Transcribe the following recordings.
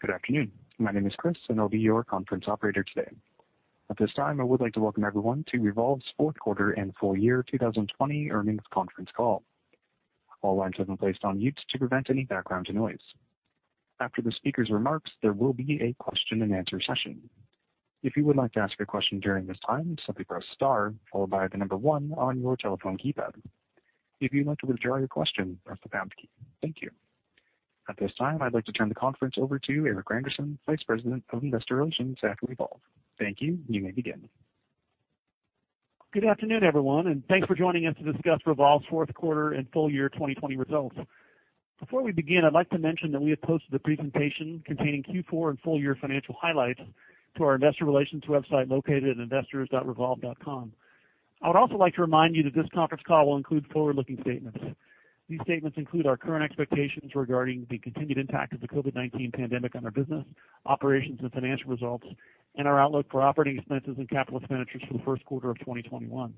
Good afternoon. My name is Chris, and I'll be your conference operator today. At this time, I would like to welcome everyone to Revolve's Fourth Quarter and Full Year 2020 Earnings Conference Call. All lines have been placed on mute to prevent any background noise. After the speaker's remarks, there will be a question-and-answer session. If you would like to ask a question during this time, simply press star followed by the number one on your telephone keypad. If you'd like to withdraw your question, press the pound key. Thank you. At this time, I'd like to turn the conference over to Erik Randerson, Vice President of Investor Relations at Revolve. Thank you, and you may begin. Good afternoon, everyone, and thanks for joining us to discuss Revolve's fourth quarter and full year 2020 results. Before we begin, I'd like to mention that we have posted a presentation containing Q4 and full year financial highlights to our Investor Relations website located at investors.revolve.com. I would also like to remind you that this conference call will include forward-looking statements. These statements include our current expectations regarding the continued impact of the COVID-19 pandemic on our business, operations, and financial results, and our outlook for operating expenses and capital expenditures for the first quarter of 2021.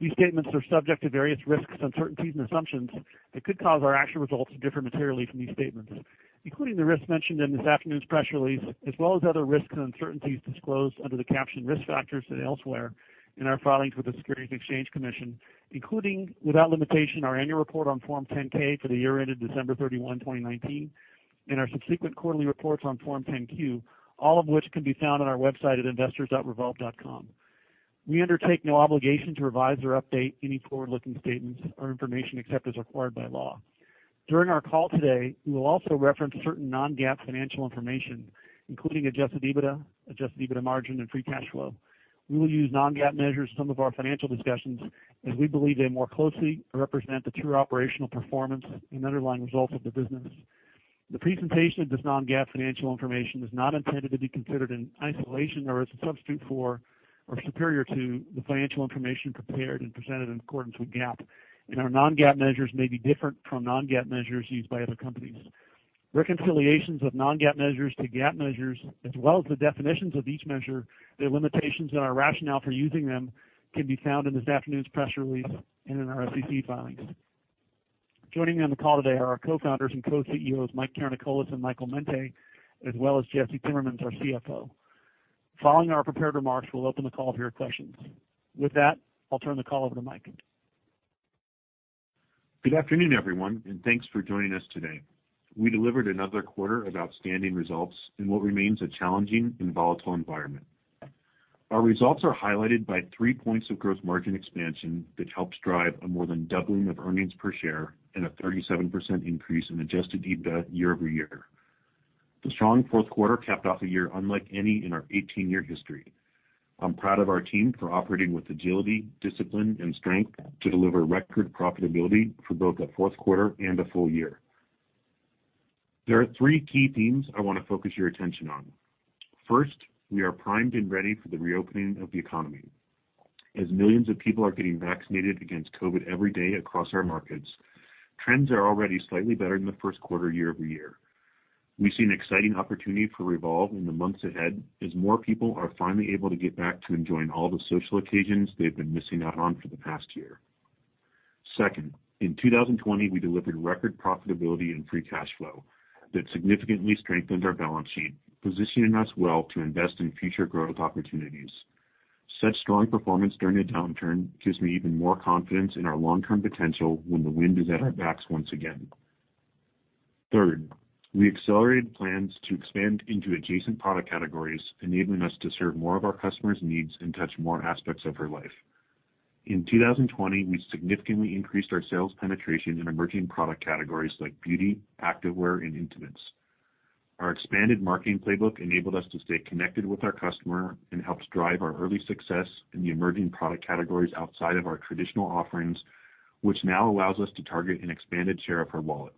These statements are subject to various risks, uncertainties, and assumptions that could cause our actual results to differ materially from these statements, including the risks mentioned in this afternoon's press release, as well as other risks and uncertainties disclosed under the captioned risk factors and elsewhere in our filings with the Securities and Exchange Commission, including, without limitation, our annual report on Form 10-K for the year ended December 31, 2019, and our subsequent quarterly reports on Form 10-Q, all of which can be found on our website at investors.revolve.com. We undertake no obligation to revise or update any forward-looking statements or information except as required by law. During our call today, we will also reference certain non-GAAP financial information, including adjusted EBITDA, adjusted EBITDA margin, and free cash flow. We will use non-GAAP measures in some of our financial discussions as we believe they more closely represent the true operational performance and underlying results of the business. The presentation of this non-GAAP financial information is not intended to be considered in isolation or as a substitute for or superior to the financial information prepared and presented in accordance with GAAP, and our non-GAAP measures may be different from non-GAAP measures used by other companies. Reconciliations of non-GAAP measures to GAAP measures, as well as the definitions of each measure, their limitations, and our rationale for using them can be found in this afternoon's press release and in our SEC filings. Joining me on the call today are our co-founders and co-CEOs, Mike Karanikolas and Michael Mente, as well as Jesse Timmermans, our CFO. Following our prepared remarks, we'll open the call for your questions. With that, I'll turn the call over to Mike. Good afternoon, everyone, and thanks for joining us today. We delivered another quarter of outstanding results in what remains a challenging and volatile environment. Our results are highlighted by three points of gross margin expansion that helped drive a more than doubling of earnings per share and a 37% increase in Adjusted EBITDA year over year. The strong fourth quarter capped off a year unlike any in our 18-year history. I'm proud of our team for operating with agility, discipline, and strength to deliver record profitability for both a fourth quarter and a full year. There are three key themes I want to focus your attention on. First, we are primed and ready for the reopening of the economy. As millions of people are getting vaccinated against COVID every day across our markets, trends are already slightly better than the first quarter year over year. We see an exciting opportunity for Revolve in the months ahead as more people are finally able to get back to enjoying all the social occasions they've been missing out on for the past year. Second, in 2020, we delivered record profitability and free cash flow that significantly strengthened our balance sheet, positioning us well to invest in future growth opportunities. Such strong performance during a downturn gives me even more confidence in our long-term potential when the wind is at our backs once again. Third, we accelerated plans to expand into adjacent product categories, enabling us to serve more of our customers' needs and touch more aspects of their life. In 2020, we significantly increased our sales penetration in emerging product categories like beauty, activewear, and intimates. Our expanded marketing playbook enabled us to stay connected with our customer and helped drive our early success in the emerging product categories outside of our traditional offerings, which now allows us to target an expanded share of her wallet.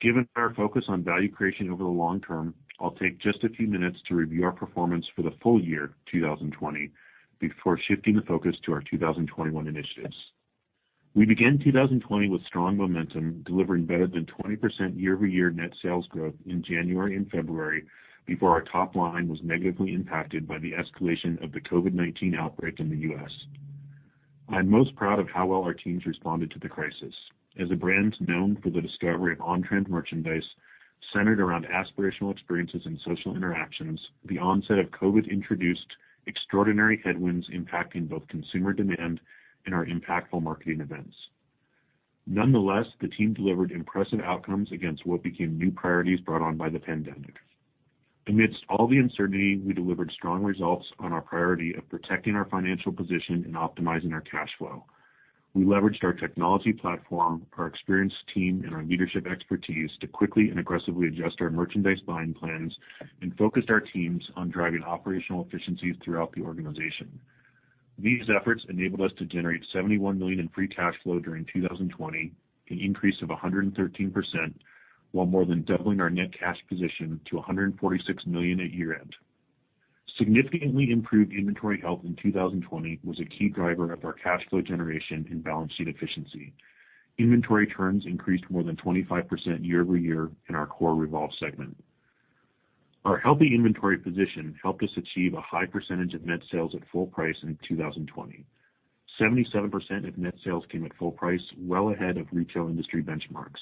Given our focus on value creation over the long term, I'll take just a few minutes to review our performance for the full year 2020 before shifting the focus to our 2021 initiatives. We began 2020 with strong momentum, delivering better than 20% year-over-year net sales growth in January and February before our top line was negatively impacted by the escalation of the COVID-19 outbreak in the U.S. I'm most proud of how well our teams responded to the crisis. As a brand known for the discovery of on-trend merchandise centered around aspirational experiences and social interactions, the onset of COVID-19 introduced extraordinary headwinds impacting both consumer demand and our impactful marketing events. Nonetheless, the team delivered impressive outcomes against what became new priorities brought on by the pandemic. Amidst all the uncertainty, we delivered strong results on our priority of protecting our financial position and optimizing our cash flow. We leveraged our technology platform, our experienced team, and our leadership expertise to quickly and aggressively adjust our merchandise buying plans and focused our teams on driving operational efficiencies throughout the organization. These efforts enabled us to generate $71 million in free cash flow during 2020, an increase of 113%, while more than doubling our net cash position to $146 million at year-end. Significantly improved inventory health in 2020 was a key driver of our cash flow generation and balance sheet efficiency. Inventory turns increased more than 25% year over year in our core Revolve segment. Our healthy inventory position helped us achieve a high percentage of net sales at full price in 2020. 77% of net sales came at full price, well ahead of retail industry benchmarks.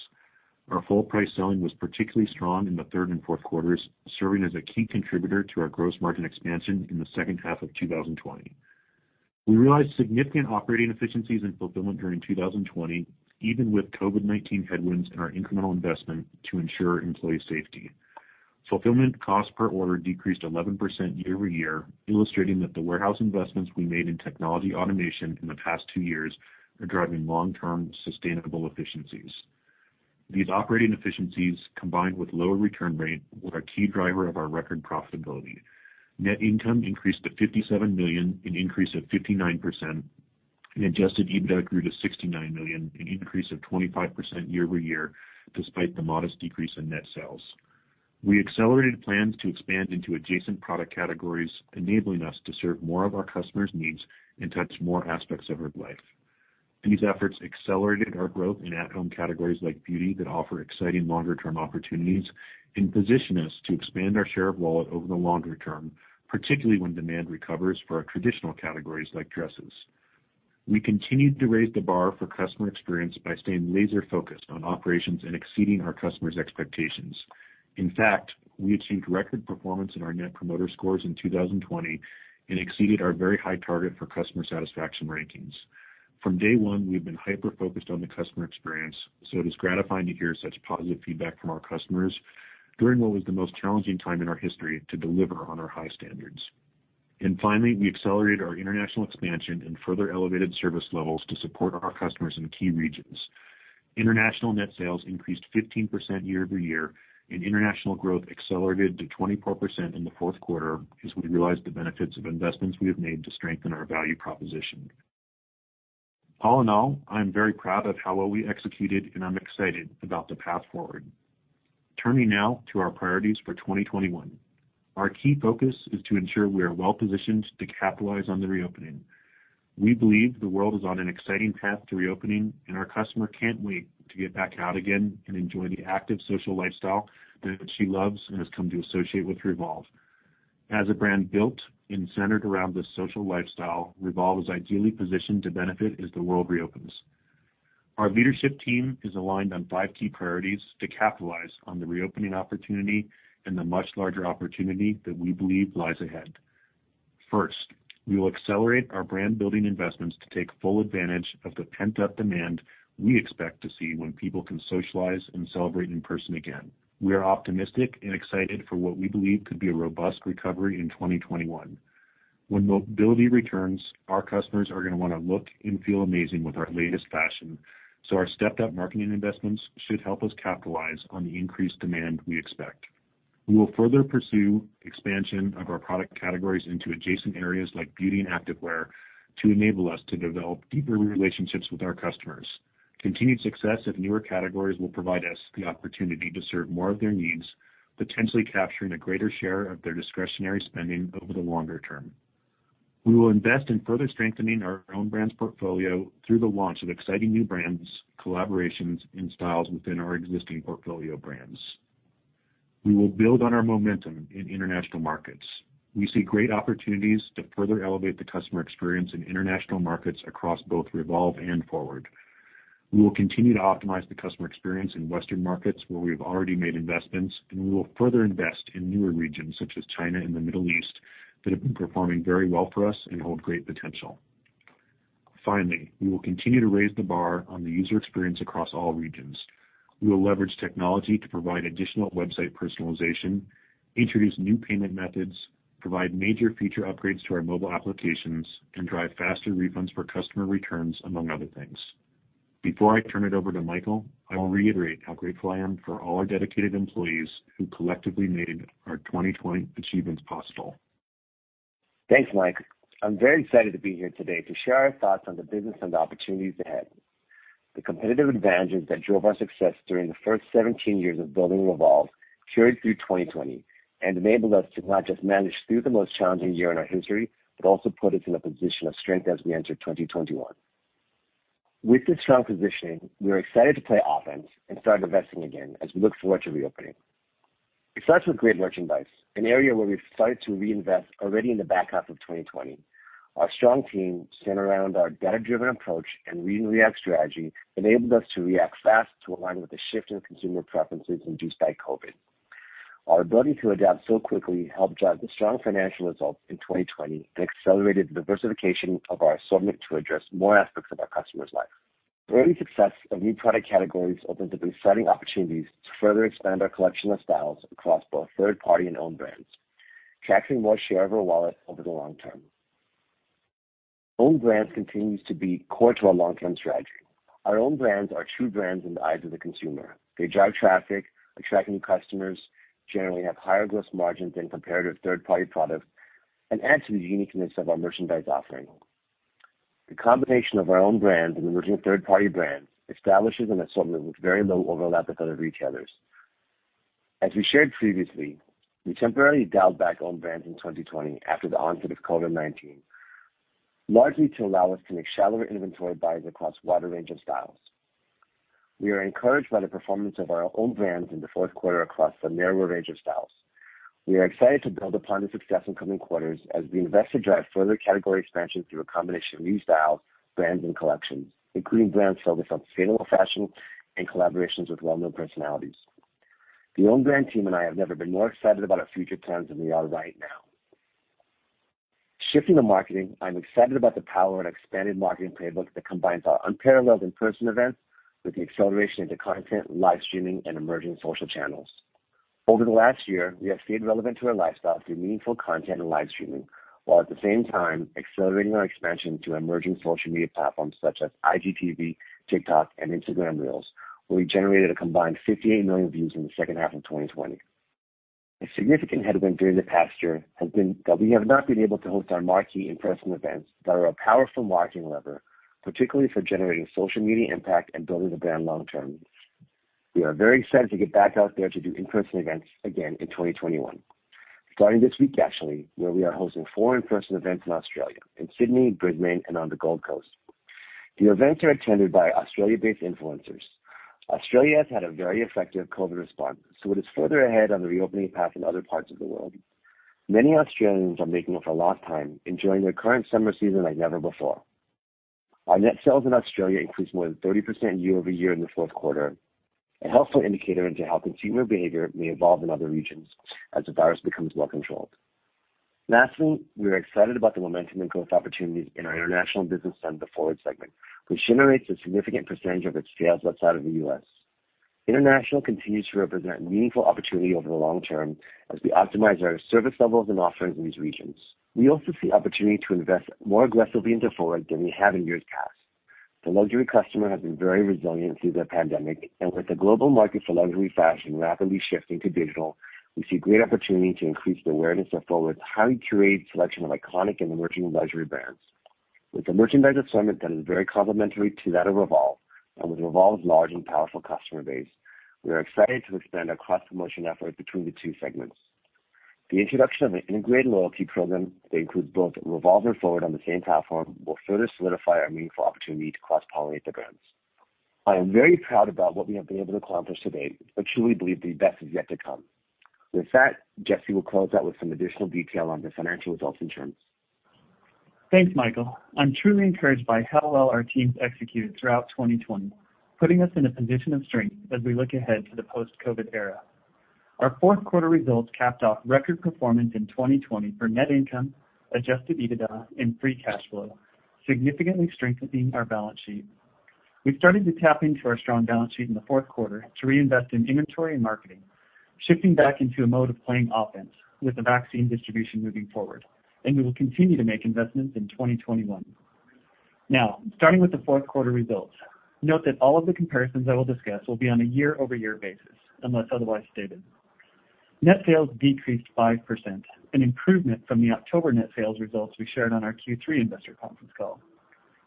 Our full price selling was particularly strong in the third and fourth quarters, serving as a key contributor to our gross margin expansion in the second half of 2020. We realized significant operating efficiencies and fulfillment during 2020, even with COVID-19 headwinds in our incremental investment to ensure employee safety. Fulfillment costs per order decreased 11% year over year, illustrating that the warehouse investments we made in technology automation in the past two years are driving long-term sustainable efficiencies. These operating efficiencies, combined with lower return rate, were a key driver of our record profitability. Net income increased to $57 million, an increase of 59%, and Adjusted EBITDA grew to $69 million, an increase of 25% year over year, despite the modest decrease in net sales. We accelerated plans to expand into adjacent product categories, enabling us to serve more of our customers' needs and touch more aspects of her life. These efforts accelerated our growth in at-home categories like beauty that offer exciting longer-term opportunities and position us to expand our share of wallet over the longer term, particularly when demand recovers for our traditional categories like dresses. We continued to raise the bar for customer experience by staying laser-focused on operations and exceeding our customers' expectations. In fact, we achieved record performance in our net promoter scores in 2020 and exceeded our very high target for customer satisfaction rankings. From day one, we have been hyper-focused on the customer experience, so it is gratifying to hear such positive feedback from our customers during what was the most challenging time in our history to deliver on our high standards. And finally, we accelerated our international expansion and further elevated service levels to support our customers in key regions. International net sales increased 15% year over year, and international growth accelerated to 24% in the fourth quarter as we realized the benefits of investments we have made to strengthen our value proposition. All in all, I'm very proud of how well we executed, and I'm excited about the path forward. Turning now to our priorities for 2021, our key focus is to ensure we are well-positioned to capitalize on the reopening. We believe the world is on an exciting path to reopening, and our customer can't wait to get back out again and enjoy the active social lifestyle that she loves and has come to associate with Revolve. As a brand built and centered around this social lifestyle, Revolve is ideally positioned to benefit as the world reopens. Our leadership team is aligned on five key priorities to capitalize on the reopening opportunity and the much larger opportunity that we believe lies ahead. First, we will accelerate our brand-building investments to take full advantage of the pent-up demand we expect to see when people can socialize and celebrate in person again. We are optimistic and excited for what we believe could be a robust recovery in 2021. When mobility returns, our customers are going to want to look and feel amazing with our latest fashion, so our stepped-up marketing investments should help us capitalize on the increased demand we expect. We will further pursue expansion of our product categories into adjacent areas like beauty and activewear to enable us to develop deeper relationships with our customers. Continued success at newer categories will provide us the opportunity to serve more of their needs, potentially capturing a greater share of their discretionary spending over the longer term. We will invest in further strengthening our own brand's portfolio through the launch of exciting new brands, collaborations, and styles within our existing portfolio brands. We will build on our momentum in international markets. We see great opportunities to further elevate the customer experience in international markets across both Revolve and Forward. We will continue to optimize the customer experience in Western markets where we have already made investments, and we will further invest in newer regions such as China and the Middle East that have been performing very well for us and hold great potential. Finally, we will continue to raise the bar on the user experience across all regions. We will leverage technology to provide additional website personalization, introduce new payment methods, provide major feature upgrades to our mobile applications, and drive faster refunds for customer returns, among other things. Before I turn it over to Michael, I will reiterate how grateful I am for all our dedicated employees who collectively made our 2020 achievements possible. Thanks, Mike. I'm very excited to be here today to share our thoughts on the business and opportunities ahead. The competitive advantages that drove our success during the first 17 years of building Revolve carried through 2020 and enabled us to not just manage through the most challenging year in our history, but also put us in a position of strength as we entered 2021. With this strong positioning, we are excited to play offense and start investing again as we look forward to reopening. It starts with great merchandise, an area where we've started to reinvest already in the back half of 2020. Our strong team centered around our data-driven approach and read-and-react strategy enabled us to react fast to align with the shift in consumer preferences induced by COVID. Our ability to adapt so quickly helped drive the strong financial results in 2020 and accelerated the diversification of our assortment to address more aspects of our customers' lives. The early success of new product categories opens up exciting opportunities to further expand our collection of styles across both third-party and owned brands, taking more share of her wallet over the long term. Owned brands continue to be core to our long-term strategy. Our owned brands are true brands in the eyes of the consumer. They drive traffic, attract new customers, generally have higher gross margins than comparative third-party products, and add to the uniqueness of our merchandise offering. The combination of our owned brands and emerging third-party brands establishes an assortment with very low overlap with other retailers. As we shared previously, we temporarily dialed back owned brands in 2020 after the onset of COVID-19, largely to allow us to accelerate inventory buys across a wider range of styles. We are encouraged by the performance of our owned brands in the fourth quarter across a narrower range of styles. We are excited to build upon the success in coming quarters as we invest to drive further category expansion through a combination of new styles, brands, and collections, including brands focused on sustainable fashion and collaborations with well-known personalities. The owned brand team and I have never been more excited about our future plans than we are right now. Shifting to marketing, I'm excited about the power of an expanded marketing playbook that combines our unparalleled in-person events with the acceleration into content, live streaming, and emerging social channels. Over the last year, we have stayed relevant to our lifestyle through meaningful content and live streaming, while at the same time accelerating our expansion to emerging social media platforms such as IGTV, TikTok, and Instagram Reels, where we generated a combined 58 million views in the second half of 2020. A significant headwind during the past year has been that we have not been able to host our marquee in-person events that are a powerful marketing lever, particularly for generating social media impact and building the brand long-term. We are very excited to get back out there to do in-person events again in 2021, starting this week actually, where we are hosting four in-person events in Australia: in Sydney, Brisbane, and on the Gold Coast. The events are attended by Australia-based influencers. Australia has had a very effective COVID response, so it is further ahead on the reopening path in other parts of the world. Many Australians are making the most of it for a long time, enjoying their current summer season like never before. Our net sales in Australia increased more than 30% year-over-year in the fourth quarter, a helpful indicator of how consumer behavior may evolve in other regions as the virus becomes well-controlled. Lastly, we are excited about the momentum and growth opportunities in our international business and the Forward segment, which generates a significant percentage of its sales outside of the U.S. International continues to represent a meaningful opportunity over the long term as we optimize our service levels and offerings in these regions. We also see opportunity to invest more aggressively into Forward than we have in years past. The luxury customer has been very resilient through the pandemic, and with the global market for luxury fashion rapidly shifting to digital, we see great opportunity to increase the awareness of Forward's highly curated selection of iconic and emerging luxury brands. With the merchandise assortment that is very complementary to that of Revolve and with Revolve's large and powerful customer base, we are excited to expand our cross-promotion efforts between the two segments. The introduction of an integrated loyalty program that includes both Revolve and Forward on the same platform will further solidify our meaningful opportunity to cross-pollinate the brands. I am very proud about what we have been able to accomplish today, but truly believe the best is yet to come. With that, Jesse will close out with some additional detail on the financial results and terms. Thanks, Michael. I'm truly encouraged by how well our team's executed throughout 2020, putting us in a position of strength as we look ahead to the post-COVID era. Our fourth quarter results capped off record performance in 2020 for net income, Adjusted EBITDA, and free cash flow, significantly strengthening our balance sheet. We started to tap into our strong balance sheet in the fourth quarter to reinvest in inventory and marketing, shifting back into a mode of playing offense with the vaccine distribution moving forward, and we will continue to make investments in 2021. Now, starting with the fourth quarter results, note that all of the comparisons I will discuss will be on a year-over-year basis, unless otherwise stated. Net sales decreased 5%, an improvement from the October net sales results we shared on our Q3 investor conference call.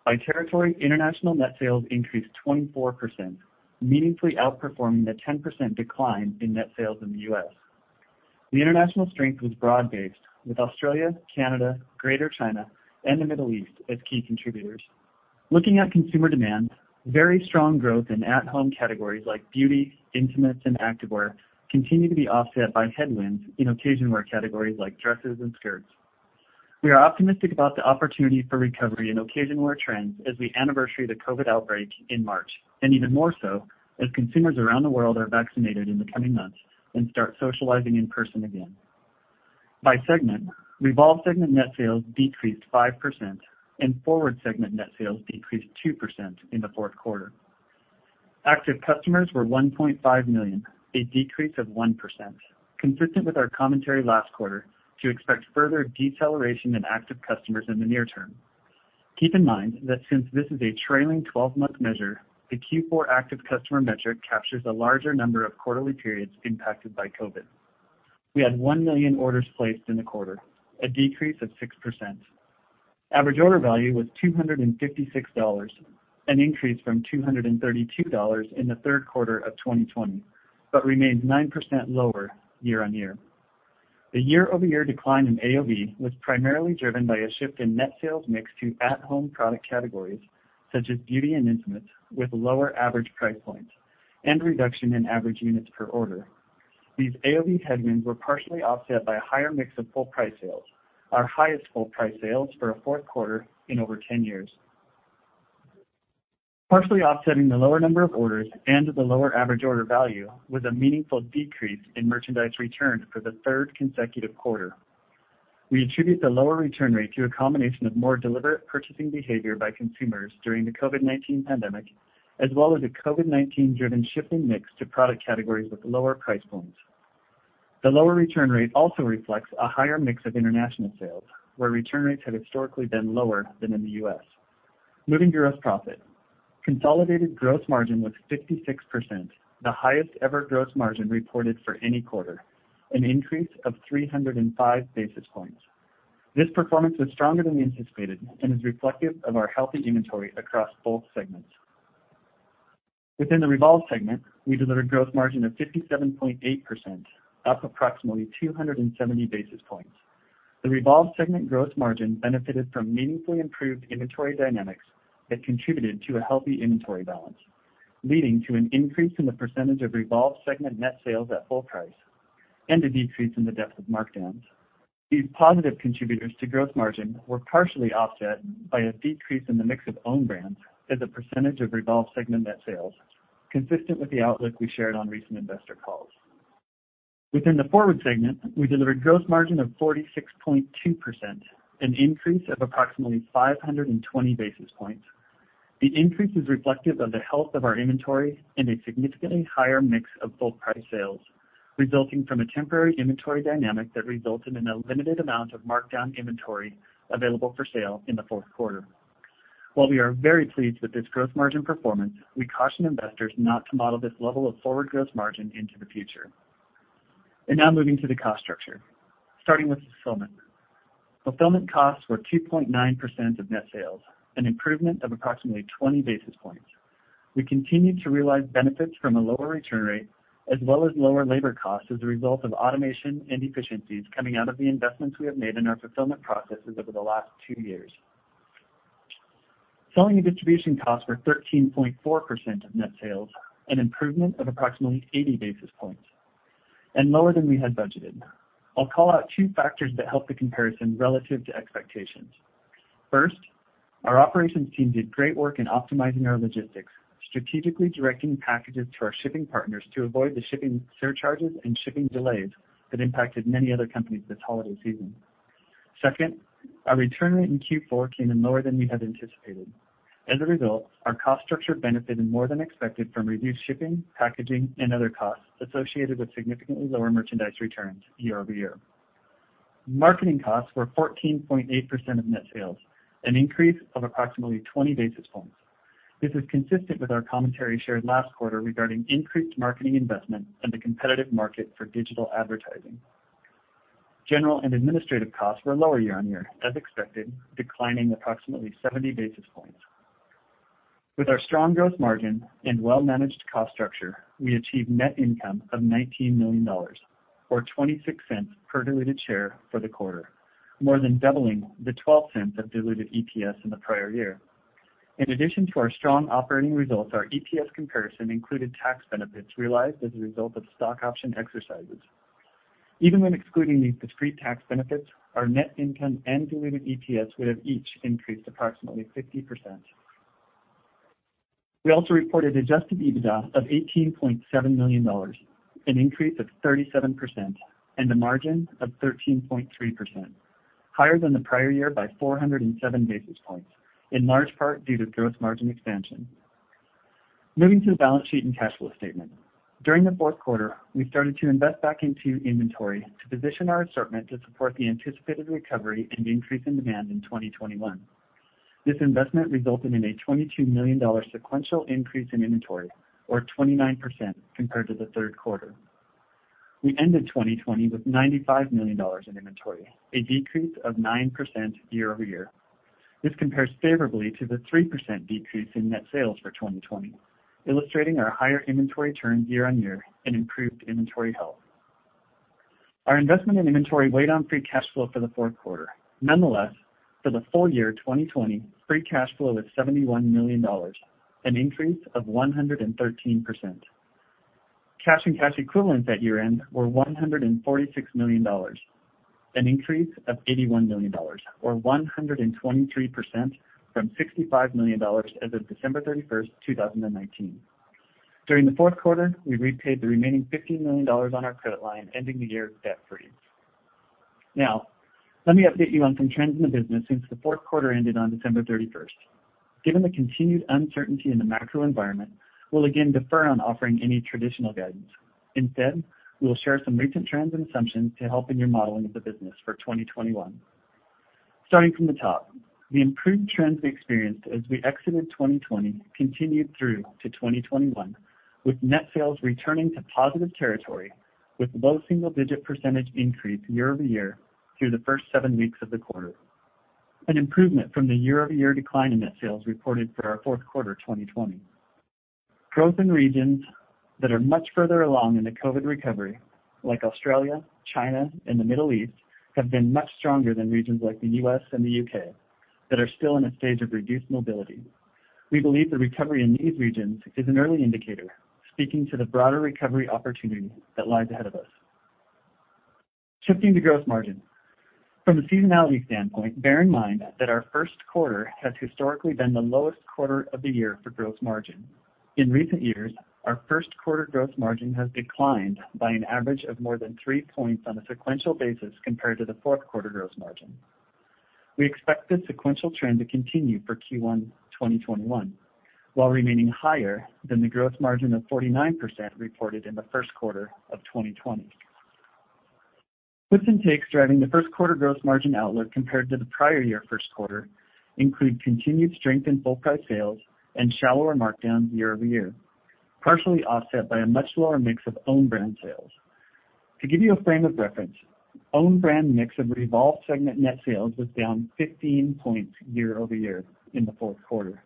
By territory, international net sales increased 24%, meaningfully outperforming the 10% decline in net sales in the U.S. The international strength was broad-based, with Australia, Canada, Greater China, and the Middle East as key contributors. Looking at consumer demand, very strong growth in at-home categories like beauty, intimates, and activewear continue to be offset by headwinds in occasion wear categories like dresses and skirts. We are optimistic about the opportunity for recovery in occasion wear trends as we anniversary the COVID outbreak in March, and even more so as consumers around the world are vaccinated in the coming months and start socializing in person again. By segment, Revolve segment net sales decreased 5%, and Forward segment net sales decreased 2% in the fourth quarter. Active customers were 1.5 million, a decrease of 1%, consistent with our commentary last quarter to expect further deceleration in active customers in the near term. Keep in mind that since this is a trailing 12-month measure, the Q4 active customer metric captures a larger number of quarterly periods impacted by COVID. We had one million orders placed in the quarter, a decrease of 6%. Average order value was $256, an increase from $232 in the third quarter of 2020, but remained 9% lower year-on-year. The year-over-year decline in AOV was primarily driven by a shift in net sales mix to at-home product categories such as beauty and intimates, with lower average price points and reduction in average units per order. These AOV headwinds were partially offset by a higher mix of full-price sales, our highest full-price sales for a fourth quarter in over 10 years. Partially offsetting the lower number of orders and the lower average order value was a meaningful decrease in merchandise return for the third consecutive quarter. We attribute the lower return rate to a combination of more deliberate purchasing behavior by consumers during the COVID-19 pandemic, as well as a COVID-19-driven shifting mix to product categories with lower price points. The lower return rate also reflects a higher mix of international sales, where return rates have historically been lower than in the U.S. Moving to gross profit, consolidated gross margin was 56%, the highest ever gross margin reported for any quarter, an increase of 305 basis points. This performance was stronger than anticipated and is reflective of our healthy inventory across both segments. Within the Revolve segment, we delivered gross margin of 57.8%, up approximately 270 basis points. The Revolve segment gross margin benefited from meaningfully improved inventory dynamics that contributed to a healthy inventory balance, leading to an increase in the percentage of Revolve segment net sales at full price and a decrease in the depth of markdowns. These positive contributors to gross margin were partially offset by a decrease in the mix of owned brands as a percentage of Revolve segment net sales, consistent with the outlook we shared on recent investor calls. Within the Forward segment, we delivered gross margin of 46.2%, an increase of approximately 520 basis points. The increase is reflective of the health of our inventory and a significantly higher mix of full-price sales, resulting from a temporary inventory dynamic that resulted in a limited amount of markdown inventory available for sale in the fourth quarter. While we are very pleased with this gross margin performance, we caution investors not to model this level of forward gross margin into the future, and now moving to the cost structure, starting with fulfillment. Fulfillment costs were 2.9% of net sales, an improvement of approximately 20 basis points. We continue to realize benefits from a lower return rate as well as lower labor costs as a result of automation and efficiencies coming out of the investments we have made in our fulfillment processes over the last two years. Selling and distribution costs were 13.4% of net sales, an improvement of approximately 80 basis points, and lower than we had budgeted. I'll call out two factors that help the comparison relative to expectations. First, our operations team did great work in optimizing our logistics, strategically directing packages to our shipping partners to avoid the shipping surcharges and shipping delays that impacted many other companies this holiday season. Second, our return rate in Q4 came in lower than we had anticipated. As a result, our cost structure benefited more than expected from reduced shipping, packaging, and other costs associated with significantly lower merchandise returns year-over-year. Marketing costs were 14.8% of net sales, an increase of approximately 20 basis points. This is consistent with our commentary shared last quarter regarding increased marketing investment and the competitive market for digital advertising. General and administrative costs were lower year-on-year, as expected, declining approximately 70 basis points. With our strong gross margin and well-managed cost structure, we achieved net income of $19 million, or $0.26 per diluted share for the quarter, more than doubling the $0.12 of diluted EPS in the prior year. In addition to our strong operating results, our EPS comparison included tax benefits realized as a result of stock option exercises. Even when excluding these discrete tax benefits, our net income and diluted EPS would have each increased approximately 50%. We also reported adjusted EBITDA of $18.7 million, an increase of 37%, and a margin of 13.3%, higher than the prior year by 407 basis points, in large part due to gross margin expansion. Moving to the balance sheet and cash flow statement. During the fourth quarter, we started to invest back into inventory to position our assortment to support the anticipated recovery and increase in demand in 2021. This investment resulted in a $22 million sequential increase in inventory, or 29%, compared to the third quarter. We ended 2020 with $95 million in inventory, a decrease of 9% year-over-year. This compares favorably to the 3% decrease in net sales for 2020, illustrating our higher inventory turns year-on-year and improved inventory health. Our investment in inventory weighed on free cash flow for the fourth quarter. Nonetheless, for the full year 2020, free cash flow was $71 million, an increase of 113%. Cash and cash equivalents at year-end were $146 million, an increase of $81 million, or 123% from $65 million as of December 31, 2019. During the fourth quarter, we repaid the remaining $50 million on our credit line, ending the year debt-free. Now, let me update you on some trends in the business since the fourth quarter ended on December 31. Given the continued uncertainty in the macro environment, we'll again defer on offering any traditional guidance. Instead, we'll share some recent trends and assumptions to help in your modeling of the business for 2021. Starting from the top, the improved trends we experienced as we exited 2020 continued through to 2021, with net sales returning to positive territory, with low single-digit % increase year-over-year through the first seven weeks of the quarter. An improvement from the year-over-year decline in net sales reported for our fourth quarter 2020. Growth in regions that are much further along in the COVID recovery, like Australia, China, and the Middle East, have been much stronger than regions like the U.S. and the U.K., that are still in a stage of reduced mobility. We believe the recovery in these regions is an early indicator, speaking to the broader recovery opportunity that lies ahead of us. Shifting to gross margin. From a seasonality standpoint, bear in mind that our first quarter has historically been the lowest quarter of the year for gross margin. In recent years, our first quarter gross margin has declined by an average of more than 3 points on a sequential basis compared to the fourth quarter gross margin. We expect this sequential trend to continue for Q1 2021, while remaining higher than the gross margin of 49% reported in the first quarter of 2020. Key factors driving the first quarter gross margin outlook compared to the prior year first quarter include continued strength in full-price sales and shallower markdowns year-over-year, partially offset by a much lower mix of owned brand sales. To give you a frame of reference, owned brand mix of Revolve segment net sales was down 15 points year-over-year in the fourth quarter.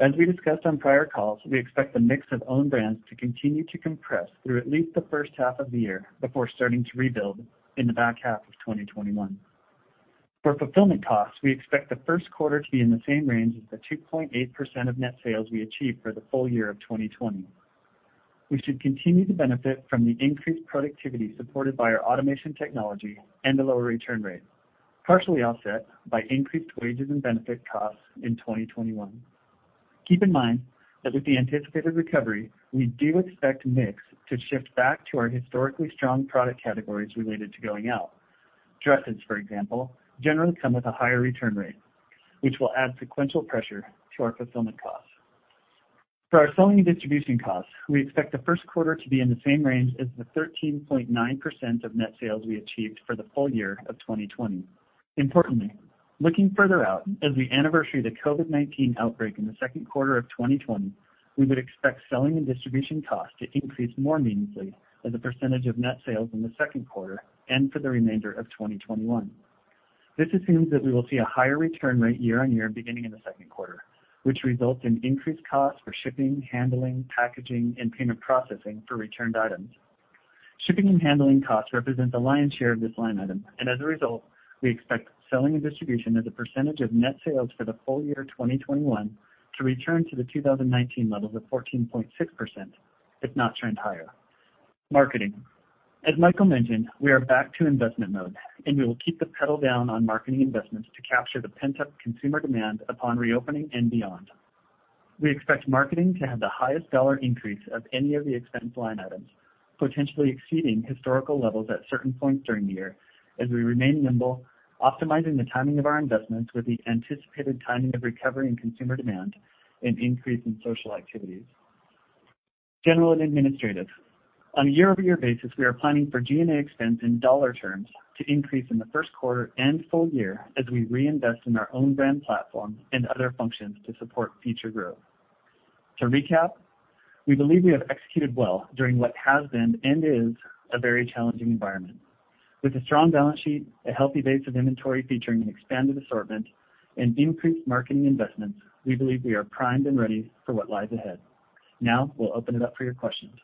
As we discussed on prior calls, we expect the mix of owned brands to continue to compress through at least the first half of the year before starting to rebuild in the back half of 2021. For fulfillment costs, we expect the first quarter to be in the same range as the 2.8% of net sales we achieved for the full year of 2020. We should continue to benefit from the increased productivity supported by our automation technology and a lower return rate, partially offset by increased wages and benefit costs in 2021. Keep in mind that with the anticipated recovery, we do expect mix to shift back to our historically strong product categories related to going out. Dresses, for example, generally come with a higher return rate, which will add sequential pressure to our fulfillment costs. For our selling and distribution costs, we expect the first quarter to be in the same range as the 13.9% of net sales we achieved for the full year of 2020. Importantly, looking further out, as we anniversary the COVID-19 outbreak in the second quarter of 2020, we would expect selling and distribution costs to increase more meaningfully as a percentage of net sales in the second quarter and for the remainder of 2021. This assumes that we will see a higher return rate year-on-year beginning in the second quarter, which results in increased costs for shipping, handling, packaging, and payment processing for returned items. Shipping and handling costs represent the lion's share of this line item, and as a result, we expect selling and distribution as a percentage of net sales for the full year 2021 to return to the 2019 levels of 14.6%, if not trend higher. Marketing. As Michael mentioned, we are back to investment mode, and we will keep the pedal down on marketing investments to capture the pent-up consumer demand upon reopening and beyond. We expect marketing to have the highest dollar increase of any of the expense line items, potentially exceeding historical levels at certain points during the year, as we remain nimble, optimizing the timing of our investments with the anticipated timing of recovery in consumer demand and increase in social activities. General and administrative. On a year-over-year basis, we are planning for G&A expense in dollar terms to increase in the first quarter and full year as we reinvest in our own brand platform and other functions to support future growth. To recap, we believe we have executed well during what has been and is a very challenging environment. With a strong balance sheet, a healthy base of inventory featuring an expanded assortment, and increased marketing investments, we believe we are primed and ready for what lies ahead. Now, we'll open it up for your questions.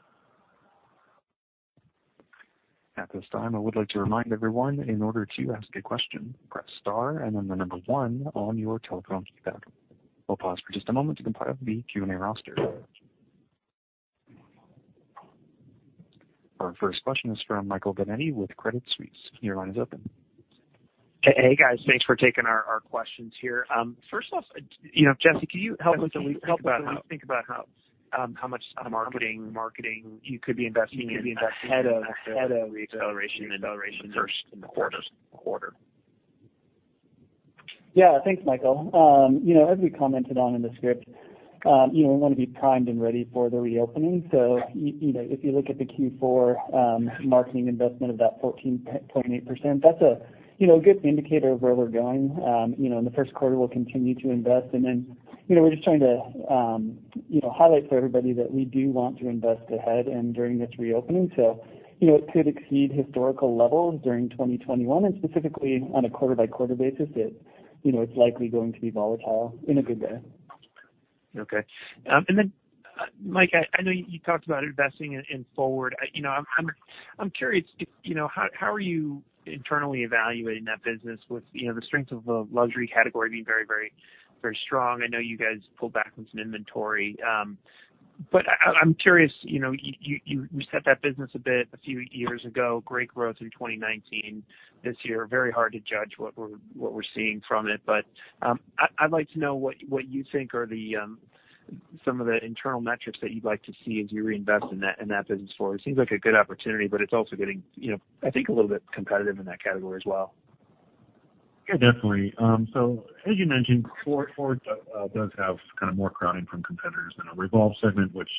At this time, I would like to remind everyone that in order to ask a question, press star and then the number one on your telephone keypad. We'll pause for just a moment to compile the Q&A roster. Our first question is from Michael Binetti with Credit Suisse. Your line is open. Hey, guys. Thanks for taking our questions here. First off, Jesse, can you help us think about how much marketing you could be investing in ahead of the acceleration in the first quarter? Yeah, thanks, Michael. As we commented on in the script, we want to be primed and ready for the reopening. So if you look at the Q4 marketing investment of that 14.8%, that's a good indicator of where we're going. In the first quarter, we'll continue to invest. And then we're just trying to highlight for everybody that we do want to invest ahead and during this reopening. So it could exceed historical levels during 2021. And specifically, on a quarter-by-quarter basis, it's likely going to be volatile in a good way. Okay. And then, Mike, I know you talked about investing in Forward. I'm curious, how are you internally evaluating that business with the strength of the luxury category being very, very strong? I know you guys pulled back on some inventory.nBut I'm curious, you set up that business a few years ago, great growth in 2019. This year, very hard to judge what we're seeing from it. But I'd like to know what you think are some of the internal metrics that you'd like to see as you reinvest in that business forward. It seems like a good opportunity, but it's also getting a little bit competitive in that category as well. Yeah, definitely. So as you mentioned, Forward does have more crowding from competitors than a Revolve segment, which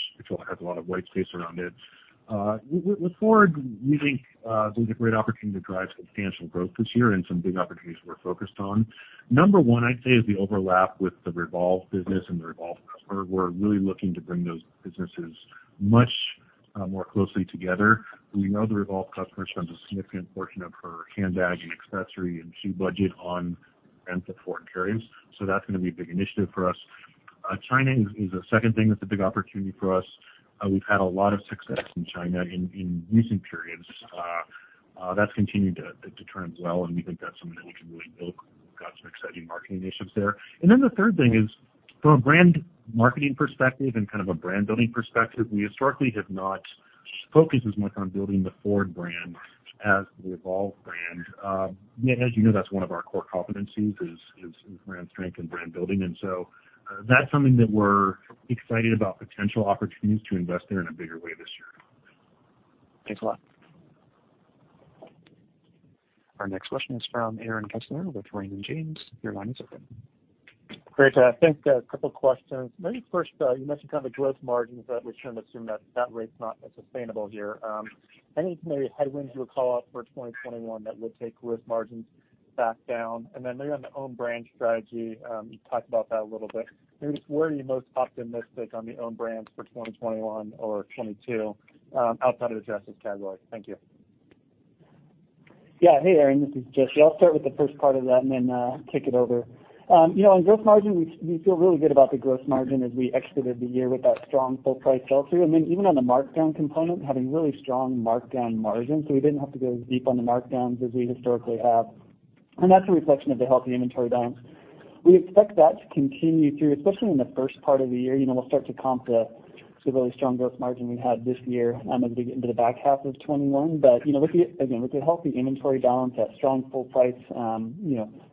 has a lot of white space around it. With Forward, we think there's a great opportunity to drive substantial growth this year and some big opportunities we're focused on. Number one, I'd say, is the overlap with the Revolve business and the Revolve customer. We're really looking to bring those businesses much more closely together. We know the Revolve customer spends a significant portion of her handbag and accessory and shoe budget on brands that Forward carries. So that's going to be a big initiative for us. China is the second thing that's a big opportunity for us. We've had a lot of success in China in recent periods. That's continued to trend well, and we think that's something that we can really build. We've got some exciting marketing initiatives there. And then the third thing is, from a brand marketing perspective and a brand-building perspective, we historically have not focused as much on building the Forward brand as the Revolve brand. As you know, that's one of our core competencies, is brand strength and brand building. And so that's something that we're excited about potential opportunities to invest there in a bigger way this year. Thanks a lot. Our next question is from Aaron Kessler with Raymond James. Your line is open. Great. Thanks. A couple of questions. Maybe first, you mentioned the gross margins, but we shouldn't assume that rate's not sustainable here. Any headwinds you would call out for 2021 that would take gross margins back down? And then maybe on the owned brand strategy, you talked about that a little bit. Maybe just where are you most optimistic on the owned brands for 2021 or 2022 outside of the dresses category? Thank you. Yeah. Hey, Aaron. This is Jesse. I'll start with the first part of that and then take it over. On gross margin, we feel really good about the gross margin as we exited the year with that strong full-price sell-through. And then even on the markdown component, having really strong markdown margins, so we didn't have to go as deep on the markdowns as we historically have. And that's a reflection of the healthy inventory balance. We expect that to continue through, especially in the first part of the year. We'll start to comp the really strong gross margin we had this year as we get into the back half of 2021. But again, with the healthy inventory balance, that strong full-price,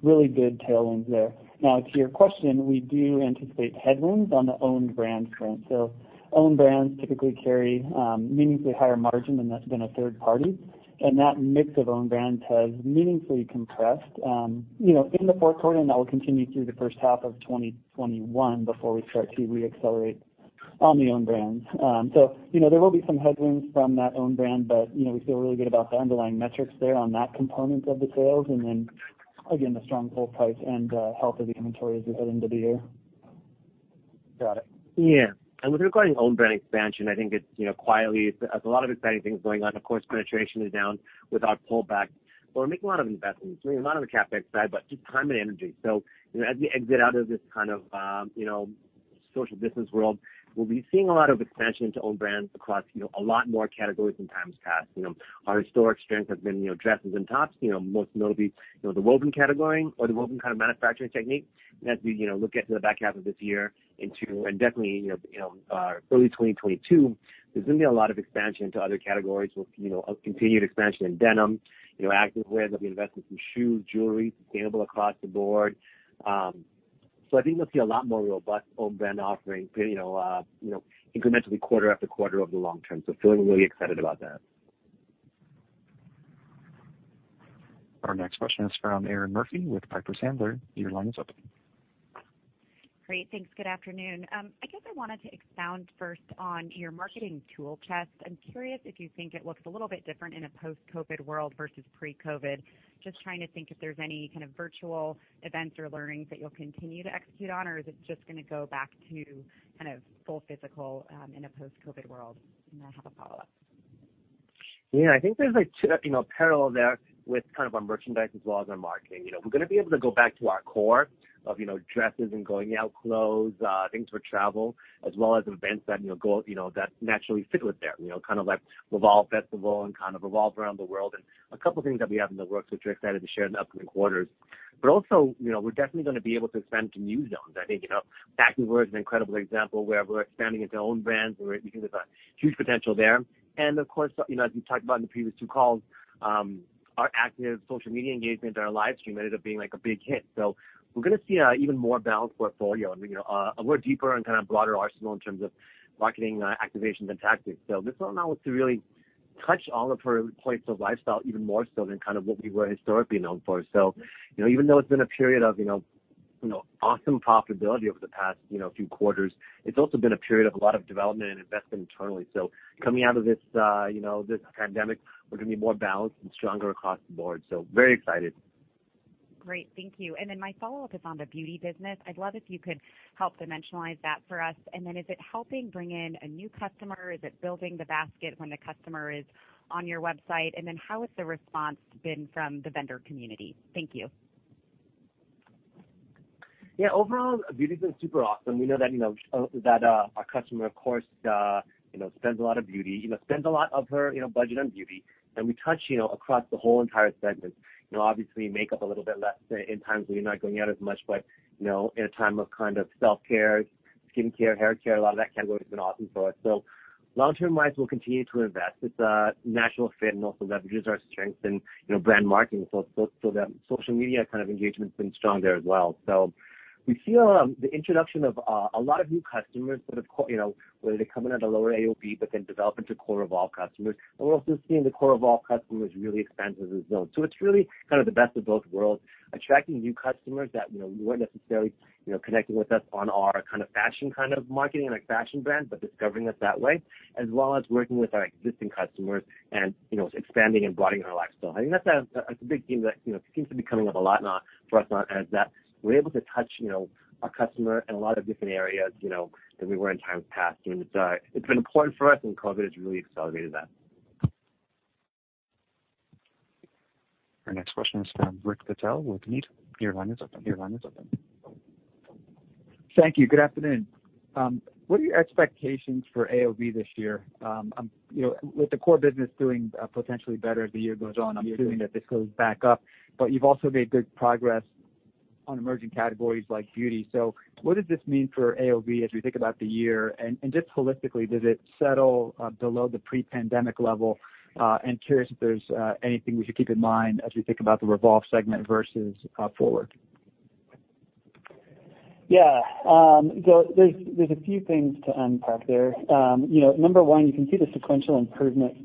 really good tailwinds there. Now, to your question, we do anticipate headwinds on the owned brand front. So owned brands typically carry meaningfully higher margin than a third party. And that mix of owned brands has meaningfully compressed in the fourth quarter, and that will continue through the first half of 2021 before we start to reaccelerate on the owned brands. So there will be some headwinds from that owned brand, but we feel really good about the underlying metrics there on that component of the sales. And then, again, the strong full-price and health of the inventory as we head into the year. Got it. Yeah. And with regard to owned brand expansion, it's quietly. There's a lot of exciting things going on. Of course, penetration is down with our pullback. But we're making a lot of investments. I mean, a lot on the CapEx side, but just time and energy. So as we exit out of this social distance world, we'll be seeing a lot of expansion into owned brands across a lot more categories than times past. Our historic strength has been dresses and tops, most notably the woven category or the woven manufacturing technique. And as we look at the back half of this year into and definitely early 2022, there's going to be a lot of expansion into other categories with continued expansion in denim, active wear that we invest in some shoes, jewelry, sustainable across the board. So we'll see a lot more robust owned brand offering incrementally quarter after quarter over the long term. So feeling really excited about that. Our next question is from Erinn Murphy with Piper Sandler. Your line is open. Great. Thanks. Good afternoon. I wanted to expound first on your marketing tool chest. I'm curious if you think it looks a little bit different in a post-COVID world versus pre-COVID. Just trying to think if there's any virtual events or learnings that you'll continue to execute on, or is it just going to go back to full physical in a post-COVID world? And I have a follow-up. There's a parallel there with our merchandise as well as our marketing. We're going to be able to go back to our core of dresses and going-out clothes, things for travel, as well as events that naturally stick with there, like Revolve Festival and Revolve Around the World and a couple of things that we have in the works, which we're excited to share in the upcoming quarters. But also, we're definitely going to be able to expand to new zones. Parker was an incredible example where we're expanding into owned brands. We think there's a huge potential there. And of course, as we talked about in the previous two calls, our active social media engagement and our livestream ended up being a big hit. So we're going to see an even more balanced portfolio and a deeper and broader arsenal in terms of marketing activations and tactics. So this allowed us to really touch all of our points of lifestyle even more so than what we were historically known for. So even though it's been a period of awesome profitability over the past few quarters, it's also been a period of a lot of development and investment internally. So coming out of this pandemic, we're going to be more balanced and stronger across the board. So very excited. Great. Thank you. And then my follow-up is on the beauty business. I'd love if you could help dimensionalize that for us. And then is it helping bring in a new customer? Is it building the basket when the customer is on your website? And then how has the response been from the vendor community? Thank you. Yeah. Overall, beauty has been super awesome. We know that our customer, of course, spends a lot of beauty, spends a lot of her budget on beauty. And we touch across the whole entire segment. Obviously, makeup a little bit less in times when you're not going out as much. But in a time of self-care, skincare, haircare, a lot of that category has been awesome for us. So long-term-wise, we'll continue to invest. It's a natural fit and also leverages our strength in brand marketing. So social media engagement has been strong there as well. So we see the introduction of a lot of new customers that have come in at a lower AOV, but then develop into core Revolve customers. And we're also seeing the core Revolve customers really expand into the zone. So it's really the best of both worlds, attracting new customers that weren't necessarily connecting with us on our fashion marketing and our fashion brand, but discovering us that way, as well as working with our existing customers and expanding and broadening our lifestyle. That's a big theme that seems to be coming up a lot for us as we're able to touch our customer in a lot of different areas than we were in times past. And it's been important for us, and COVID has really accelerated that. Our next question is from Rick Patel with Needham. Your line is open. Your line is open. Thank you. Good afternoon. What are your expectations for AOV this year? With the core business doing potentially better as the year goes on, I'm assuming that this goes back up. But you've also made good progress on emerging categories like beauty. So what does this mean for AOV as we think about the year? And just holistically, does it settle below the pre-pandemic level? And curious if there's anything we should keep in mind as we think about the Revolve segment versus Forward. Yeah. So there's a few things to unpack there. Number one, you can see the sequential improvement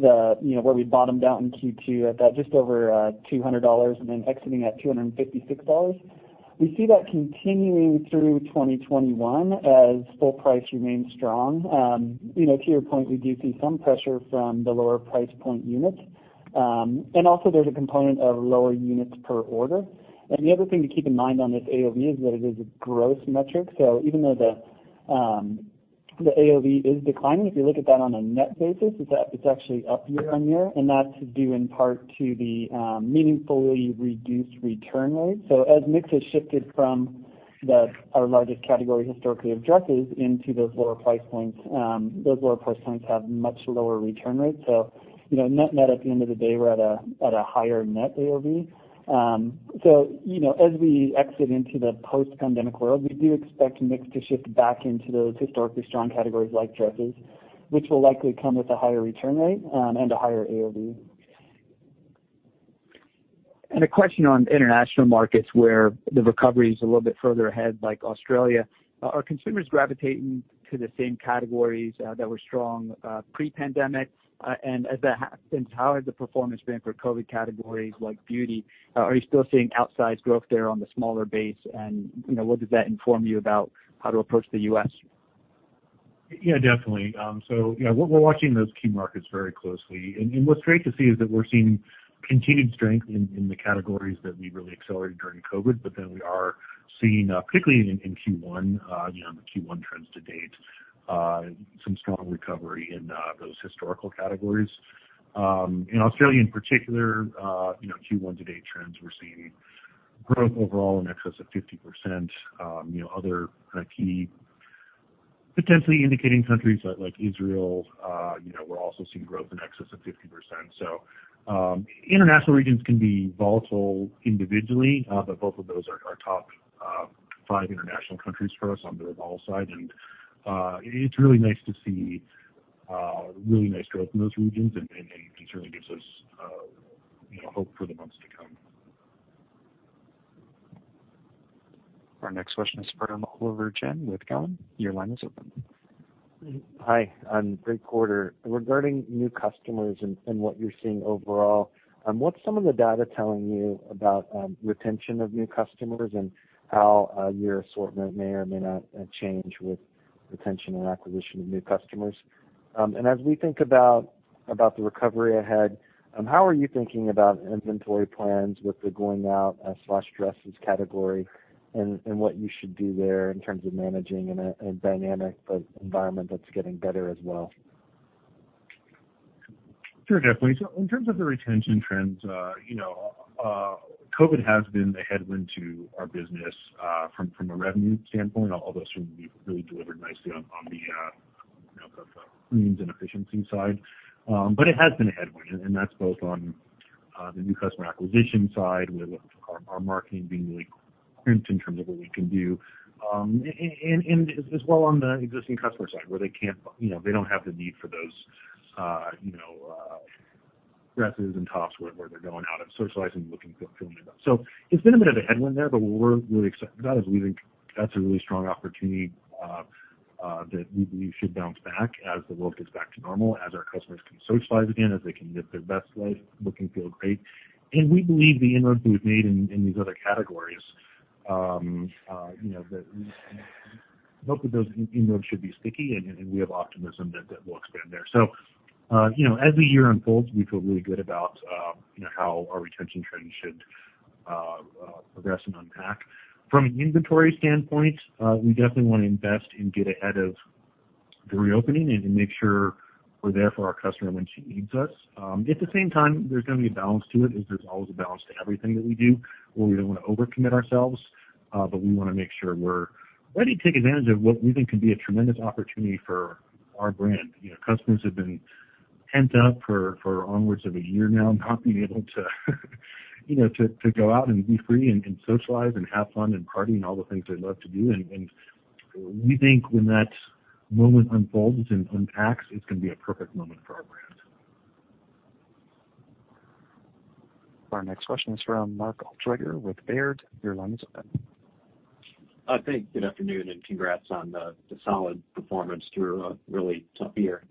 from where we bottomed out in Q2 at just over $200 and then exiting at $256. We see that continuing through 2021 as full price remains strong. To your point, we do see some pressure from the lower price point units. And also, there's a component of lower units per order. And the other thing to keep in mind on this AOV is that it is a gross metric. So even though the AOV is declining, if you look at that on a net basis, it's actually up year on year. And that's due in part to the meaningfully reduced return rate. So as mix has shifted from our largest category historically of dresses into those lower price points, those lower price points have much lower return rates. So net at the end of the day, we're at a higher net AOV. So as we exit into the post-pandemic world, we do expect mix to shift back into those historically strong categories like dresses, which will likely come with a higher return rate and a higher AOV. And a question on international markets where the recovery is a little bit further ahead, like Australia. Are consumers gravitating to the same categories that were strong pre-pandemic? And as that happens, how has the performance been for COVID categories like beauty? Are you still seeing outsized growth there on the smaller base? And what does that inform you about how to approach the U.S.? Yeah, definitely. So we're watching those key markets very closely. And what's great to see is that we're seeing continued strength in the categories that we really accelerated during COVID. But then we are seeing, particularly in Q1, the Q1 trends to date, some strong recovery in those historical categories. In Australia, in particular, Q1 to date trends, we're seeing growth overall in excess of 50%. Other key potentially indicating countries like Israel, we're also seeing growth in excess of 50%. So international regions can be volatile individually, but both of those are top five international countries for us on the Revolve side. And it's really nice to see really nice growth in those regions and certainly gives us hope for the months to come. Our next question is from Oliver Chen with Cowen. Your line is open. Hi. I'm Rick Porter. Regarding new customers and what you're seeing overall, what's some of the data telling you about retention of new customers and how your assortment may or may not change with retention or acquisition of new customers? And as we think about the recovery ahead, how are you thinking about inventory plans with the going-out/dresses category and what you should do there in terms of managing a dynamic environment that's getting better as well? Sure, definitely. So in terms of the retention trends, COVID has been a headwind to our business from a revenue standpoint, although certainly we've really delivered nicely on the gross margins and efficiency side. But it has been a headwind. And that's both on the new customer acquisition side with our marketing being really crimped in terms of what we can do, and as well on the existing customer side where they don't have the need for those dresses and tops where they're going out and socializing and looking fulfillingly. So it's been a bit of a headwind there, but what we're really excited about is that's a really strong opportunity that we believe should bounce back as the world gets back to normal, as our customers can socialize again, as they can live their best life looking real great. And we believe the inroads that we've made in these other categories, both of those inroads should be sticky, and we have optimism that we'll expand there. So as the year unfolds, we feel really good about how our retention trends should progress and unpack. From an inventory standpoint, we definitely want to invest and get ahead of the reopening and make sure we're there for our customer when she needs us. At the same time, there's going to be a balance to it, as there's always a balance to everything that we do, where we don't want to overcommit ourselves, but we want to make sure we're ready to take advantage of what we think can be a tremendous opportunity for our brand. Customers have been pent up for onwards of a year now, not being able to go out and be free and socialize and have fun and party and all the things they love to do. And we think when that moment unfolds and unpacks, it's going to be a perfect moment for our brand. Our next question is from Mark Altschwager with Baird. Your line is open. Thanks. Good afternoon and congrats on the solid performance through a really tough year.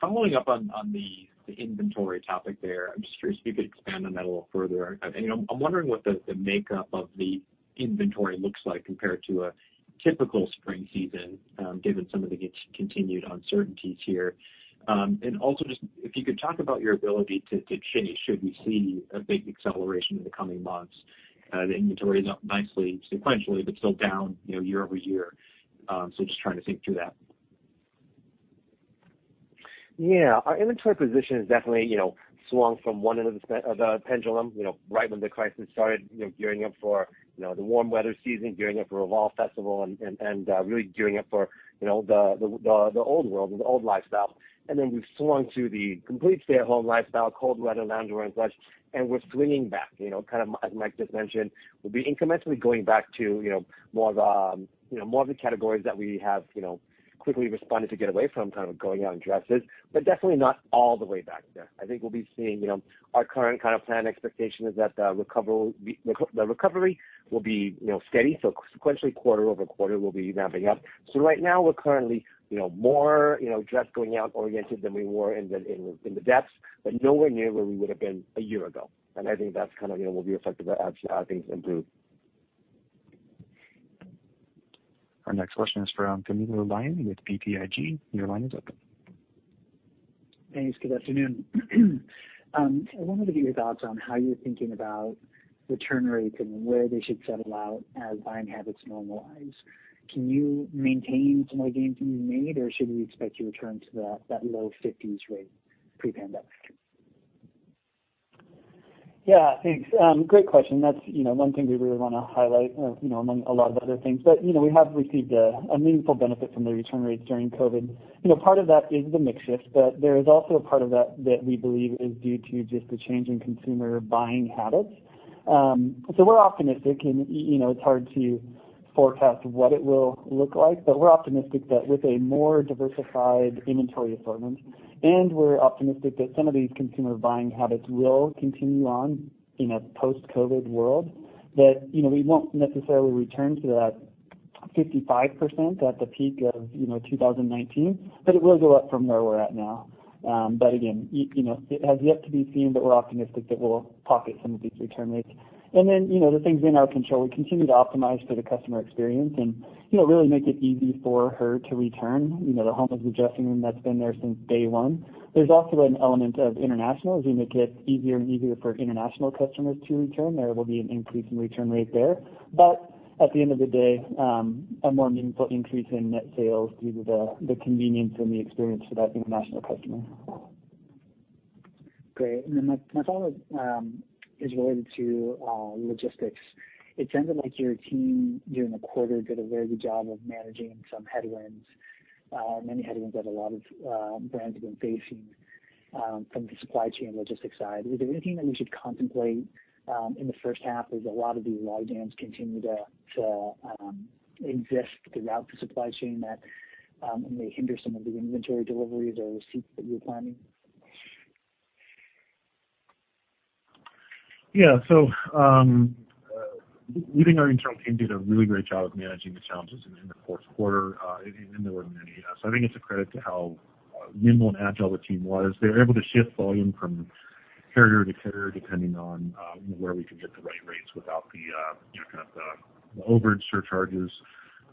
Following up on the inventory topic there, I'm just curious if you could expand on that a little further. I'm wondering what the makeup of the inventory looks like compared to a typical spring season, given some of the continued uncertainties here. And also just if you could talk about your ability to change should we see a big acceleration in the coming months. The inventory is up nicely sequentially, but still down year over year. So just trying to think through that. Yeah. Our inventory position has definitely swung from one end of the pendulum right when the crisis started, gearing up for the warm weather season, gearing up for Revolve Festival, and really gearing up for the old world, the old lifestyle. And then we've swung to the complete stay-at-home lifestyle, cold weather, loungewear, and such. And we're swinging back. As Mike just mentioned, we'll be incrementally going back to more of the categories that we have quickly responded to get away from, going out in dresses, but definitely not all the way back there. We'll be seeing our current planned expectation is that the recovery will be steady. So sequentially, quarter over quarter, we'll be ramping up. So right now, we're currently more dress-going-out oriented than we were in the depths, but nowhere near where we would have been a year ago. And that's what we expect as things improve. Our next question is from Camilo Lyon with BTIG. Your line is open. Thanks. Good afternoon. I wanted to get your thoughts on how you're thinking about return rates and where they should settle out as buying habits normalize. Can you maintain some of the gains you've made, or should we expect you to return to that low 50s rate pre-pandemic? Yeah. Thanks. Great question. That's one thing we really want to highlight among a lot of other things. But we have received a meaningful benefit from the return rates during COVID. Part of that is the mix shift, but there is also a part of that that we believe is due to just the change in consumer buying habits. So we're optimistic, and it's hard to forecast what it will look like, but we're optimistic that with a more diversified inventory assortment, and we're optimistic that some of these consumer buying habits will continue on in a post-COVID world, that we won't necessarily return to that 55% at the peak of 2019, but it will go up from where we're at now. But again, it has yet to be seen, but we're optimistic that we'll pocket some of these return rates. And then the things in our control, we continue to optimize for the customer experience and really make it easy for her to return, the endless dressing room that's been there since day one. There's also an element of international as we make it easier and easier for international customers to return. There will be an increase in return rate there. But at the end of the day, a more meaningful increase in net sales due to the convenience and the experience for that international customer. Great. And then my follow-up is related to logistics. It sounded like your team during the quarter did a very good job of managing some headwinds, many headwinds that a lot of brands have been facing from the supply chain logistics side. Is there anything that we should contemplate in the first half as a lot of these logjams continue to exist throughout the supply chain that may hinder some of the inventory deliveries or receipts that you are planning? Yeah. So we think our internal team did a really great job of managing the challenges in the fourth quarter and prior year. So it is a credit to how nimble and agile the team was. They were able to shift volume from carrier to carrier depending on where we could get the right rates without the overage surcharges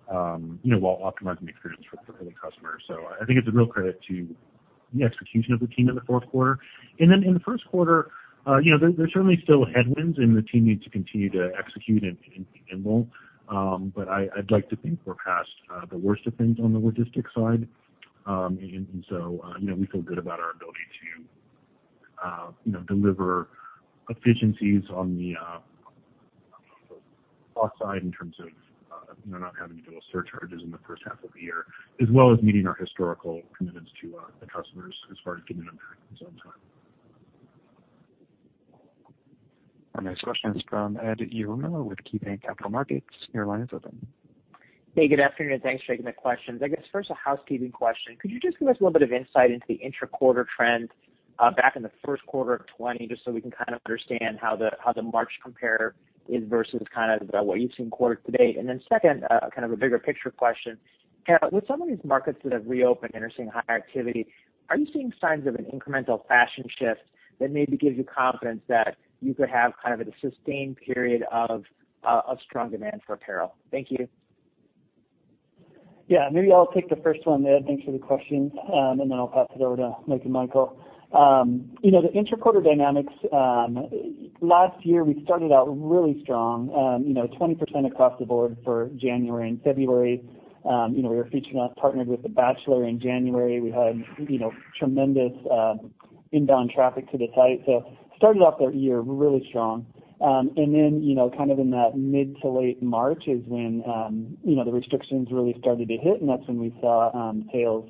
while optimizing the experience for the customer. So it's a real credit to the execution of the team in the fourth quarter. And then in the first quarter, there's certainly still headwinds, and the team needs to continue to execute and will. But I'd like to think we're past the worst of things on the logistics side. And so we feel good about our ability to deliver efficiencies on the cost side in terms of not having to deal with surcharges in the first half of the year, as well as meeting our historical commitments to the customers as far as getting them back in time. Our next question is from Edward Yruma with KeyBanc Capital Markets. Your line is open. Hey, good afternoon. Thanks for taking the questions. First, a housekeeping question. Could you just give us a little bit of insight into the intra-quarter trend back in the first quarter of 2020, just so we can understand how the March compare is versus what you've seen quarter to date? And then second, bigger picture question. With some of these markets that have reopened and are seeing high activity, are you seeing signs of an incremental fashion shift that maybe gives you confidence that you could have a sustained period of strong demand for apparel? Thank you. Yeah. Maybe I'll take the first one, Ed. Thanks for the question. And then I'll pass it over to Mike and Michael. The intra-quarter dynamics, last year, we started out really strong, 20% across the board for January and February. We were partnered with The Bachelor in January. We had tremendous inbound traffic to the site. So started off their year really strong. And then in that mid to late March is when the restrictions really started to hit, and that's when we saw sales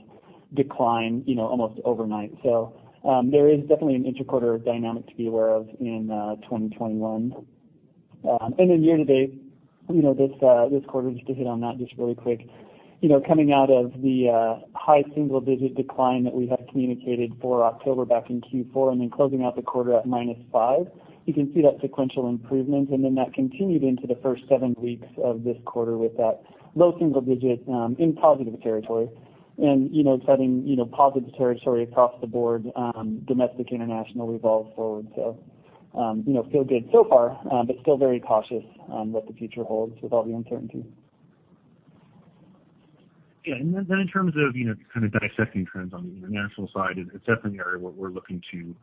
decline almost overnight. So there is definitely an intra-quarter dynamic to be aware of in 2021. And then year to date, this quarter, just to hit on that just really quick, coming out of the high single-digit decline that we had communicated for October back in Q4, and then closing out the quarter at minus five, you can see that sequential improvement. And then that continued into the first seven weeks of this quarter with that low single digit in positive territory. And it's having positive territory across the board, domestic, international, we have FWRD. So feel good so far, but still very cautious on what the future holds with all the uncertainty. Yeah, and then in terms of dissecting trends on the international side, it's definitely an area we're looking to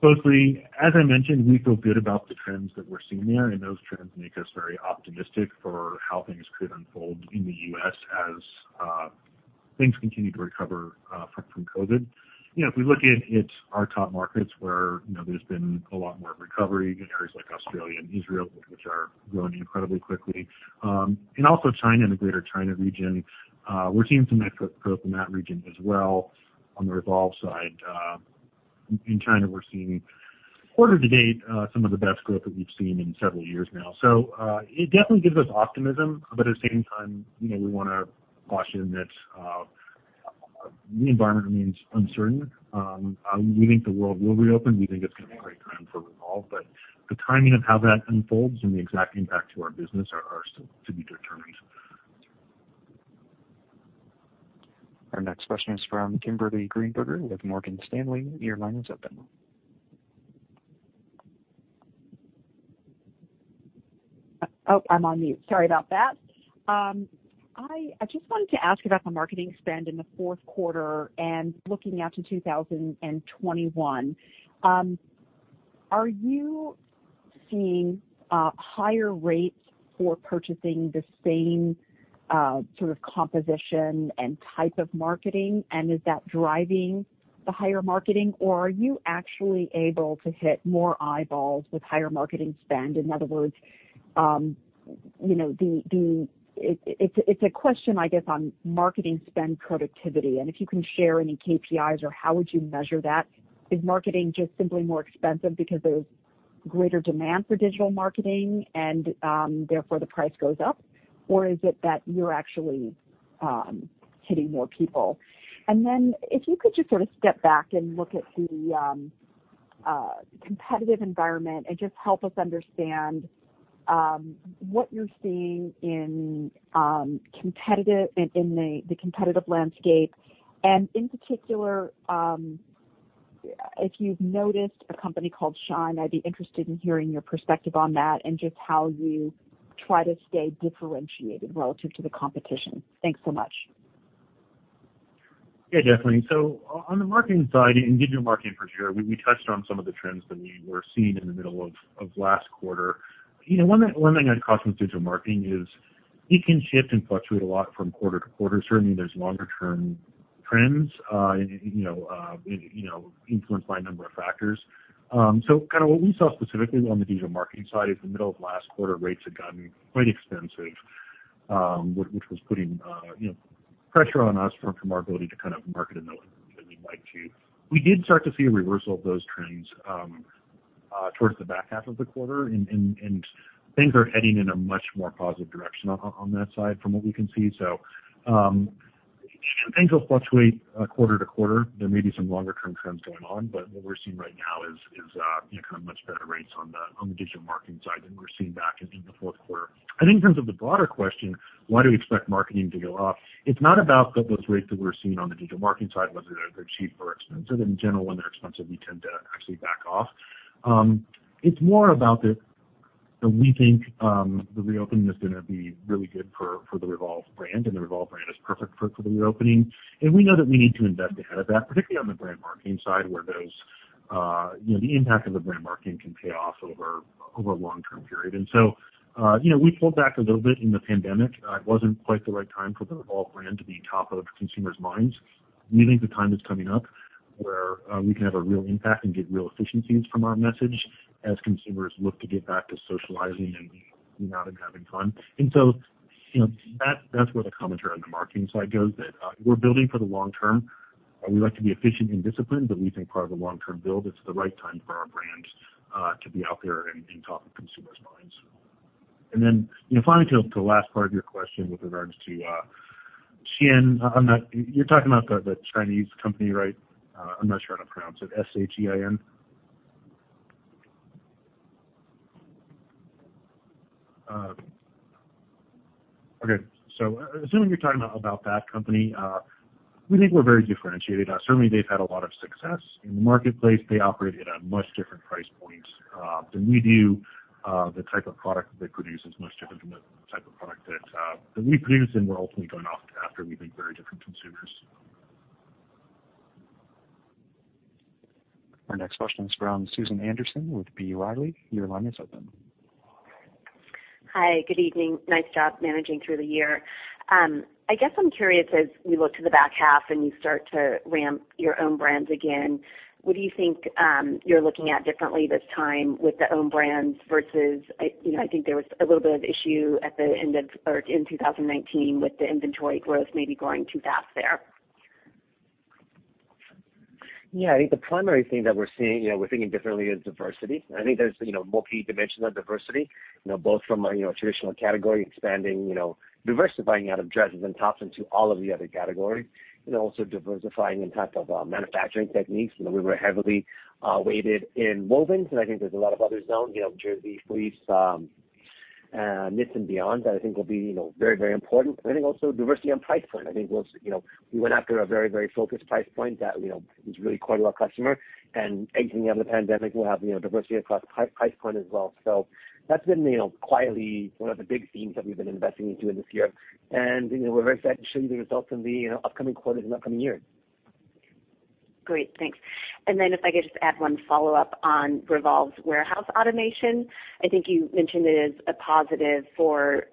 closely. As I mentioned, we feel good about the trends that we're seeing there, and those trends make us very optimistic for how things could unfold in the U.S. as things continue to recover from COVID. If we look at our top markets where there's been a lot more recovery in areas like Australia and Israel, which are growing incredibly quickly, and also China and the Greater China region, we're seeing some excellent growth in that region as well. On the Revolve side, in China, we're seeing quarter to date some of the best growth that we've seen in several years now. So it definitely gives us optimism, but at the same time, we want to caution that the environment remains uncertain. We think the world will reopen. We think it's going to be a great time for Revolve, but the timing of how that unfolds and the exact impact to our business are still to be determined. Our next question is from Kimberly Greenberger with Morgan Stanley. Your line is open. Oh, I'm on mute. Sorry about that. I just wanted to ask about the marketing spend in the fourth quarter and looking out to 2021. Are you seeing higher rates for purchasing the same sort of composition and type of marketing, and is that driving the higher marketing, or are you actually able to hit more eyeballs with higher marketing spend? In other words, it's a question, on marketing spend productivity. And if you can share any KPIs or how would you measure that? Is marketing just simply more expensive because there's greater demand for digital marketing and therefore the price goes up, or is it that you're actually hitting more people? And then if you could just sort of step back and look at the competitive environment and just help us understand what you're seeing in the competitive landscape. And in particular, if you've noticed a company called Shein, I'd be interested in hearing your perspective on that and just how you try to stay differentiated relative to the competition. Thanks so much. Yeah, definitely. So on the marketing side and digital marketing for sure, we touched on some of the trends that we were seeing in the middle of last quarter. One thing I'd caution with digital marketing is it can shift and fluctuate a lot from quarter to quarter. Certainly, there's longer-term trends influenced by a number of factors. So what we saw specifically on the digital marketing side is the middle of last quarter, rates had gotten quite expensive, which was putting pressure on us from our ability to market in the way that we'd like to. We did start to see a reversal of those trends towards the back half of the quarter, and things are heading in a much more positive direction on that side from what we can see. So things will fluctuate quarter to quarter. There may be some longer-term trends going on, but what we're seeing right now is much better rates on the digital marketing side than we were seeing back in the fourth quarter. In terms of the broader question, why do we expect marketing to go up? It's not about those rates that we're seeing on the digital marketing side, whether they're cheap or expensive. In general, when they're expensive, we tend to actually back off. It's more about that we think the reopening is going to be really good for the Revolve brand, and the Revolve brand is perfect for the reopening. And we know that we need to invest ahead of that, particularly on the brand marketing side where the impact of the brand marketing can pay off over a long-term period. And so we pulled back a little bit in the pandemic. It wasn't quite the right time for the Revolve brand to be top of consumers' minds. We think the time is coming up where we can have a real impact and get real efficiencies from our message as consumers look to get back to socializing and hanging out and having fun. That's where the commentary on the marketing side goes that we're building for the long term. We like to be efficient and disciplined, but we think part of the long-term build is the right time for our brand to be out there and top of consumers' minds. Then finally, to the last part of your question with regards to Shein, you're talking about the Chinese company, right? I'm not sure how to pronounce it. S-H-E-I-N. Okay. So assuming you're talking about that company, we think we're very differentiated. Certainly, they've had a lot of success in the marketplace. They operate at a much different price point than we do. The type of product that they produce is much different than the type of product that we produce, and we're ultimately going after, we think, very different consumers. Our next question is from Susan Anderson with B. Riley. Your line is open. Hi. Good evening. Nice job managing through the year. I'm curious, as we look to the back half and you start to ramp your own brands again, what do you think you're looking at differently this time with the own brands versus there was a little bit of issue at the end of or in 2019 with the inventory growth maybe growing too fast there? The primary thing that we're seeing, we're thinking differently in diversity. There's a multi-dimensional diversity, both from a traditional category expanding, diversifying out of dresses and tops into all of the other categories, also diversifying in type of manufacturing techniques. We were heavily weighted in wovens, and there's a lot of others now, jersey, fleece, knits, and beyond that will be very, very important. Also diversity on price point. We went after a very, very focused price point that was really quite our customer. And exiting out of the pandemic, we'll have diversity across price point as well. So that's been quietly one of the big themes that we've been investing into this year. And we're very excited to show you the results in the upcoming quarters and upcoming years. Great. Thanks. And then if I could just add one follow-up on Revolve's warehouse automation, you mentioned it is a positive for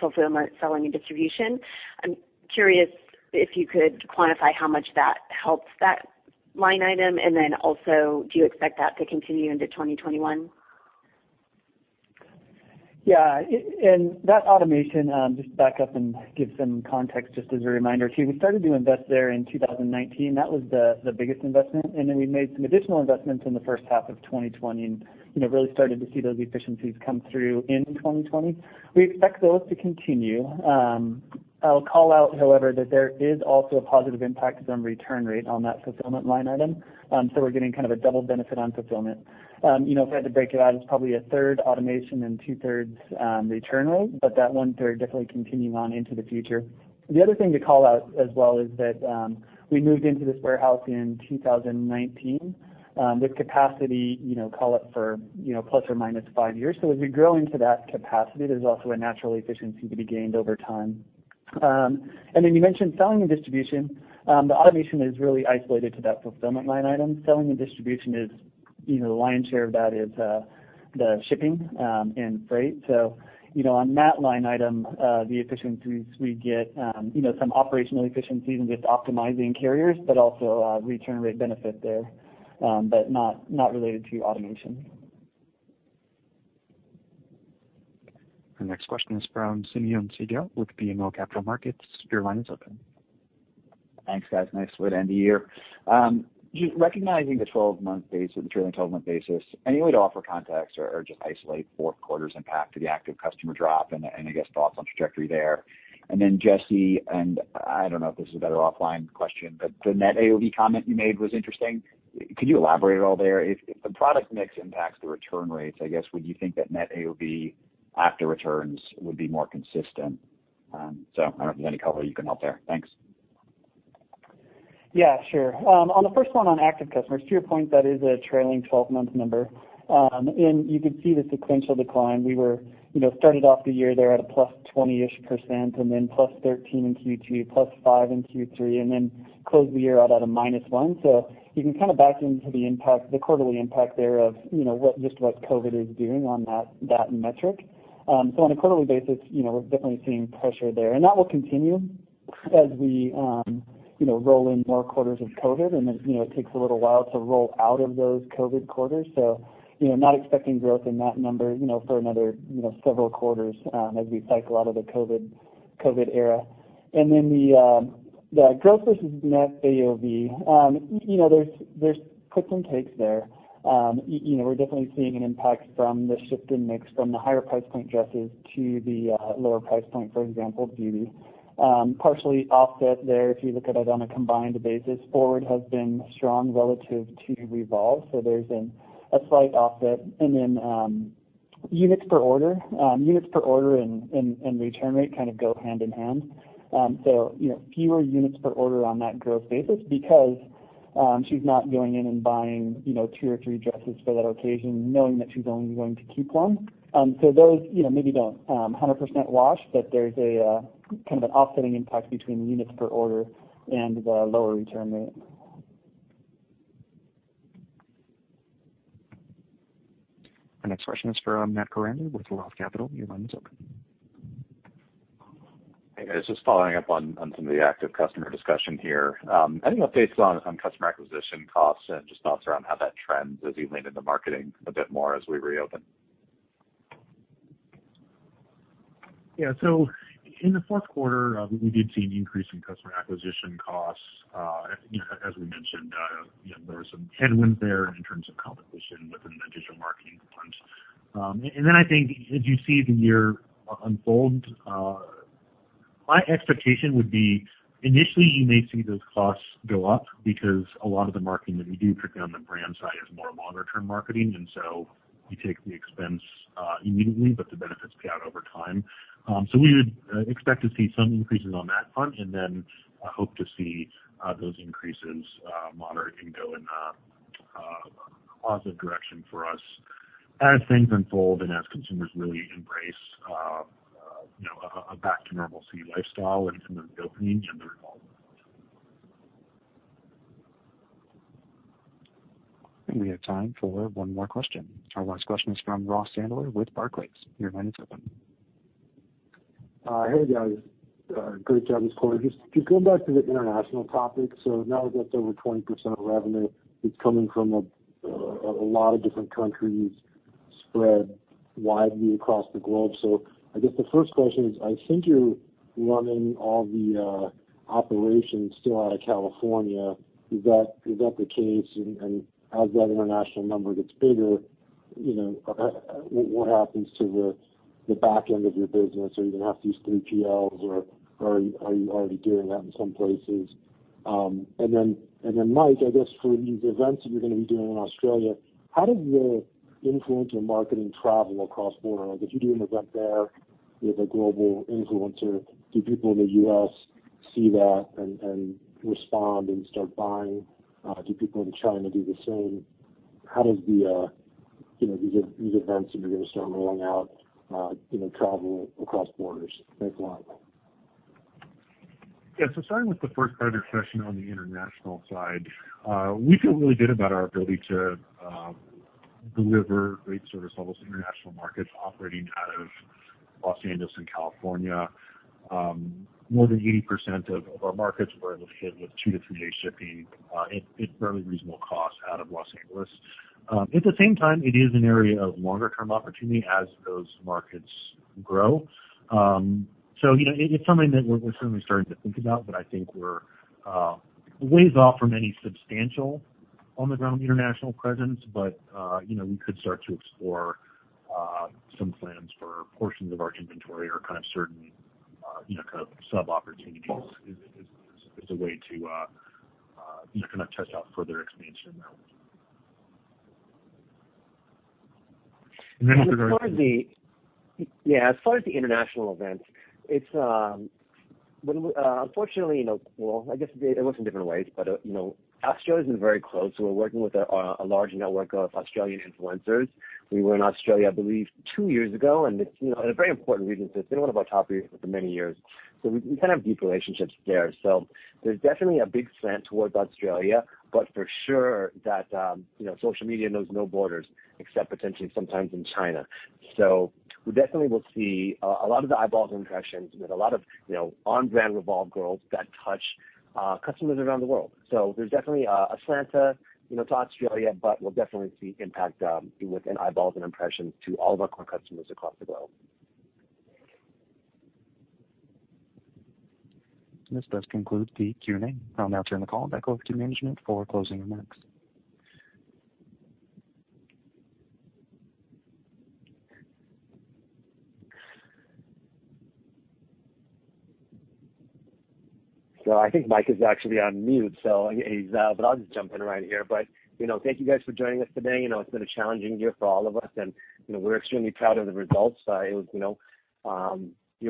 fulfillment, selling, and distribution. I'm curious if you could quantify how much that helps that line item. And then also, do you expect that to continue into 2021? Yeah. And that automation, just to back up and give some context just as a reminder too, we started to invest there in 2019. That was the biggest investment. And then we made some additional investments in the first half of 2020 and really started to see those efficiencies come through in 2020. We expect those to continue. I'll call out, however, that there is also a positive impact from return rate on that fulfillment line item. So we're getting a double benefit on fulfillment. If I had to break it out, it's probably a third automation and two-thirds return rate, but that one-third definitely continuing on into the future. The other thing to call out as well is that we moved into this warehouse in 2019. This capacity call-up for plus or minus five years. So as we grow into that capacity, there's also a natural efficiency to be gained over time. And then you mentioned selling and distribution. The automation is really isolated to that fulfillment line item. Selling and distribution is the lion's share of that is the shipping and freight. So on that line item, the efficiencies we get, some operational efficiencies in just optimizing carriers, but also return rate benefit there, but not related to automation. Our next question is from Simeon Siegel with BMO Capital Markets. Your line is open. Thanks, guys. Nice way to end the year. Just recognizing the 12-month basis, the trailing 12-month basis, any way to offer context or just isolate fourth quarter's impact to the active customer drop and thoughts on trajectory there? And then Jesse, and I don't know if this is a better offline question, but the net AOV comment you made was interesting. Could you elaborate at all there? If the product mix impacts the return rates, would you think that net AOV after returns would be more consistent? So I don't know if there's any color you can help there. Thanks. On the first one on active customers, to your point, that is a trailing 12-month number. And you can see the sequential decline. We started off the year there at a plus 20-ish% and then plus 13% in Q2, plus 5% in Q3, and then closed the year out at a minus 1%. You can back into the quarterly impact there of just what COVID is doing on that metric, so on a quarterly basis, we're definitely seeing pressure there, and that will continue as we roll in more quarters of COVID, and it takes a little while to roll out of those COVID quarters, so not expecting growth in that number for another several quarters as we cycle out of the COVID era, and then the growth versus net AOV, there's puts and takes there. We're definitely seeing an impact from the shift in mix from the higher price point dresses to the lower price point, for example, beauty. Partially offset there if you look at it on a combined basis. Forward has been strong relative to Revolve, so there's a slight offset, and then units per order. Units per order and return rate of go hand-in-hand. So fewer units per order on that growth basis because she's not going in and buying two or three dresses for that occasion, knowing that she's only going to keep one. So those maybe don't 100% wash, but there's an offsetting impact between the units per order and the lower return rate. Our next question is from Matt Koranda with Roth Capital Partners. Your line is open. Hey, guys. Just following up on some of the active customer discussion here. Any updates on customer acquisition costs and just thoughts around how that trends as you lean into marketing a bit more as we reopen? Yeah. So in the fourth quarter, we did see an increase in customer acquisition costs. As we mentioned, there were some headwinds there in terms of competition within the digital marketing component. And then as you see the year unfold, my expectation would be initially you may see those costs go up because a lot of the marketing that we do, particularly on the brand side, is more longer-term marketing. And so you take the expense immediately, but the benefits pay out over time. So we would expect to see some increases on that front and then hope to see those increases moderate and go in a positive direction for us as things unfold and as consumers really embrace a back-to-normalcy lifestyle and the reopening and the Revolve. And we have time for one more question. Our last question is from Ross Sandler with Barclays. Your line is open. Great job this quarter. Just going back to the international topic. So now we've got over 20% of revenue that's coming from a lot of different countries spread widely across the globe. So the first question is, I assume you're running all the operations still out of California. Is that the case? And as that international number gets bigger, what happens to the back end of your business? Are you going to have to use 3PLs, or are you already doing that in some places? And then, Mike, for these events that you're going to be doing in Australia, how does the influencer marketing travel across borders? If you do an event there with a global influencer, do people in the US see that and respond and start buying? Do people in China do the same? How do these events that you're going to start rolling out travel across borders? Thanks a lot. Yeah. So starting with the first part of your question on the international side, we feel really good about our ability to deliver great service levels to international markets operating out of Los Angeles and California. More than 80% of our markets we're able to hit with two- to three-day shipping at fairly reasonable cost out of Los Angeles. At the same time, it is an area of longer-term opportunity as those markets grow. So it's something that we're certainly starting to think about, but we're a ways off from any substantial on-the-ground international presence, but we could start to explore some plans for portions of our inventory or certain sub-opportunities as a way to test out further expansion in that way. And then with regards to, yeah, as far as the international events, unfortunately, it was in different ways, but Australia has been very close. We're working with a large network of Australian influencers. We were in Australia, I believe, two years ago, and it's a very important reason. So it's been one of our top reasons for many years. So we have deep relationships there. So there's definitely a big slant towards Australia, but for sure that social media knows no borders except potentially sometimes in China. So we definitely will see a lot of the eyeballs and impressions with a lot of on-brand Revolve girls that touch customers around the world. So there's definitely a slant to Australia, but we'll definitely see impact within eyeballs and impressions to all of our core customers across the globe. And this does conclude the Q&A. I'll now turn the call back over to management for closing remarks. So Mike is actually on mute, so he's out, but I'll just jump in right here. But thank you guys for joining us today. It's been a challenging year for all of us, and we're extremely proud of the results. It was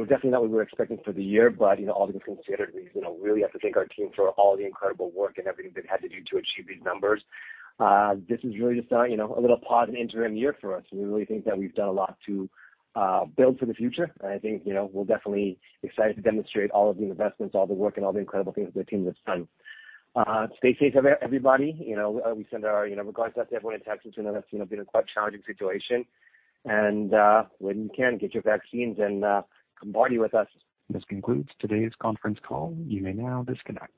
definitely not what we were expecting for the year, but all things considered, we really have to thank our team for all the incredible work and everything they've had to do to achieve these numbers. This is really just a little pause and interim year for us. We really think that we've done a lot to build for the future. And we're definitely excited to demonstrate all of the investments, all the work, and all the incredible things that the team has done. Stay safe, everybody. We send our regards out to everyone in Texas who know that's been a quite challenging situation. And when you can, get your vaccines and come party with us. This concludes today's conference call. You may now disconnect.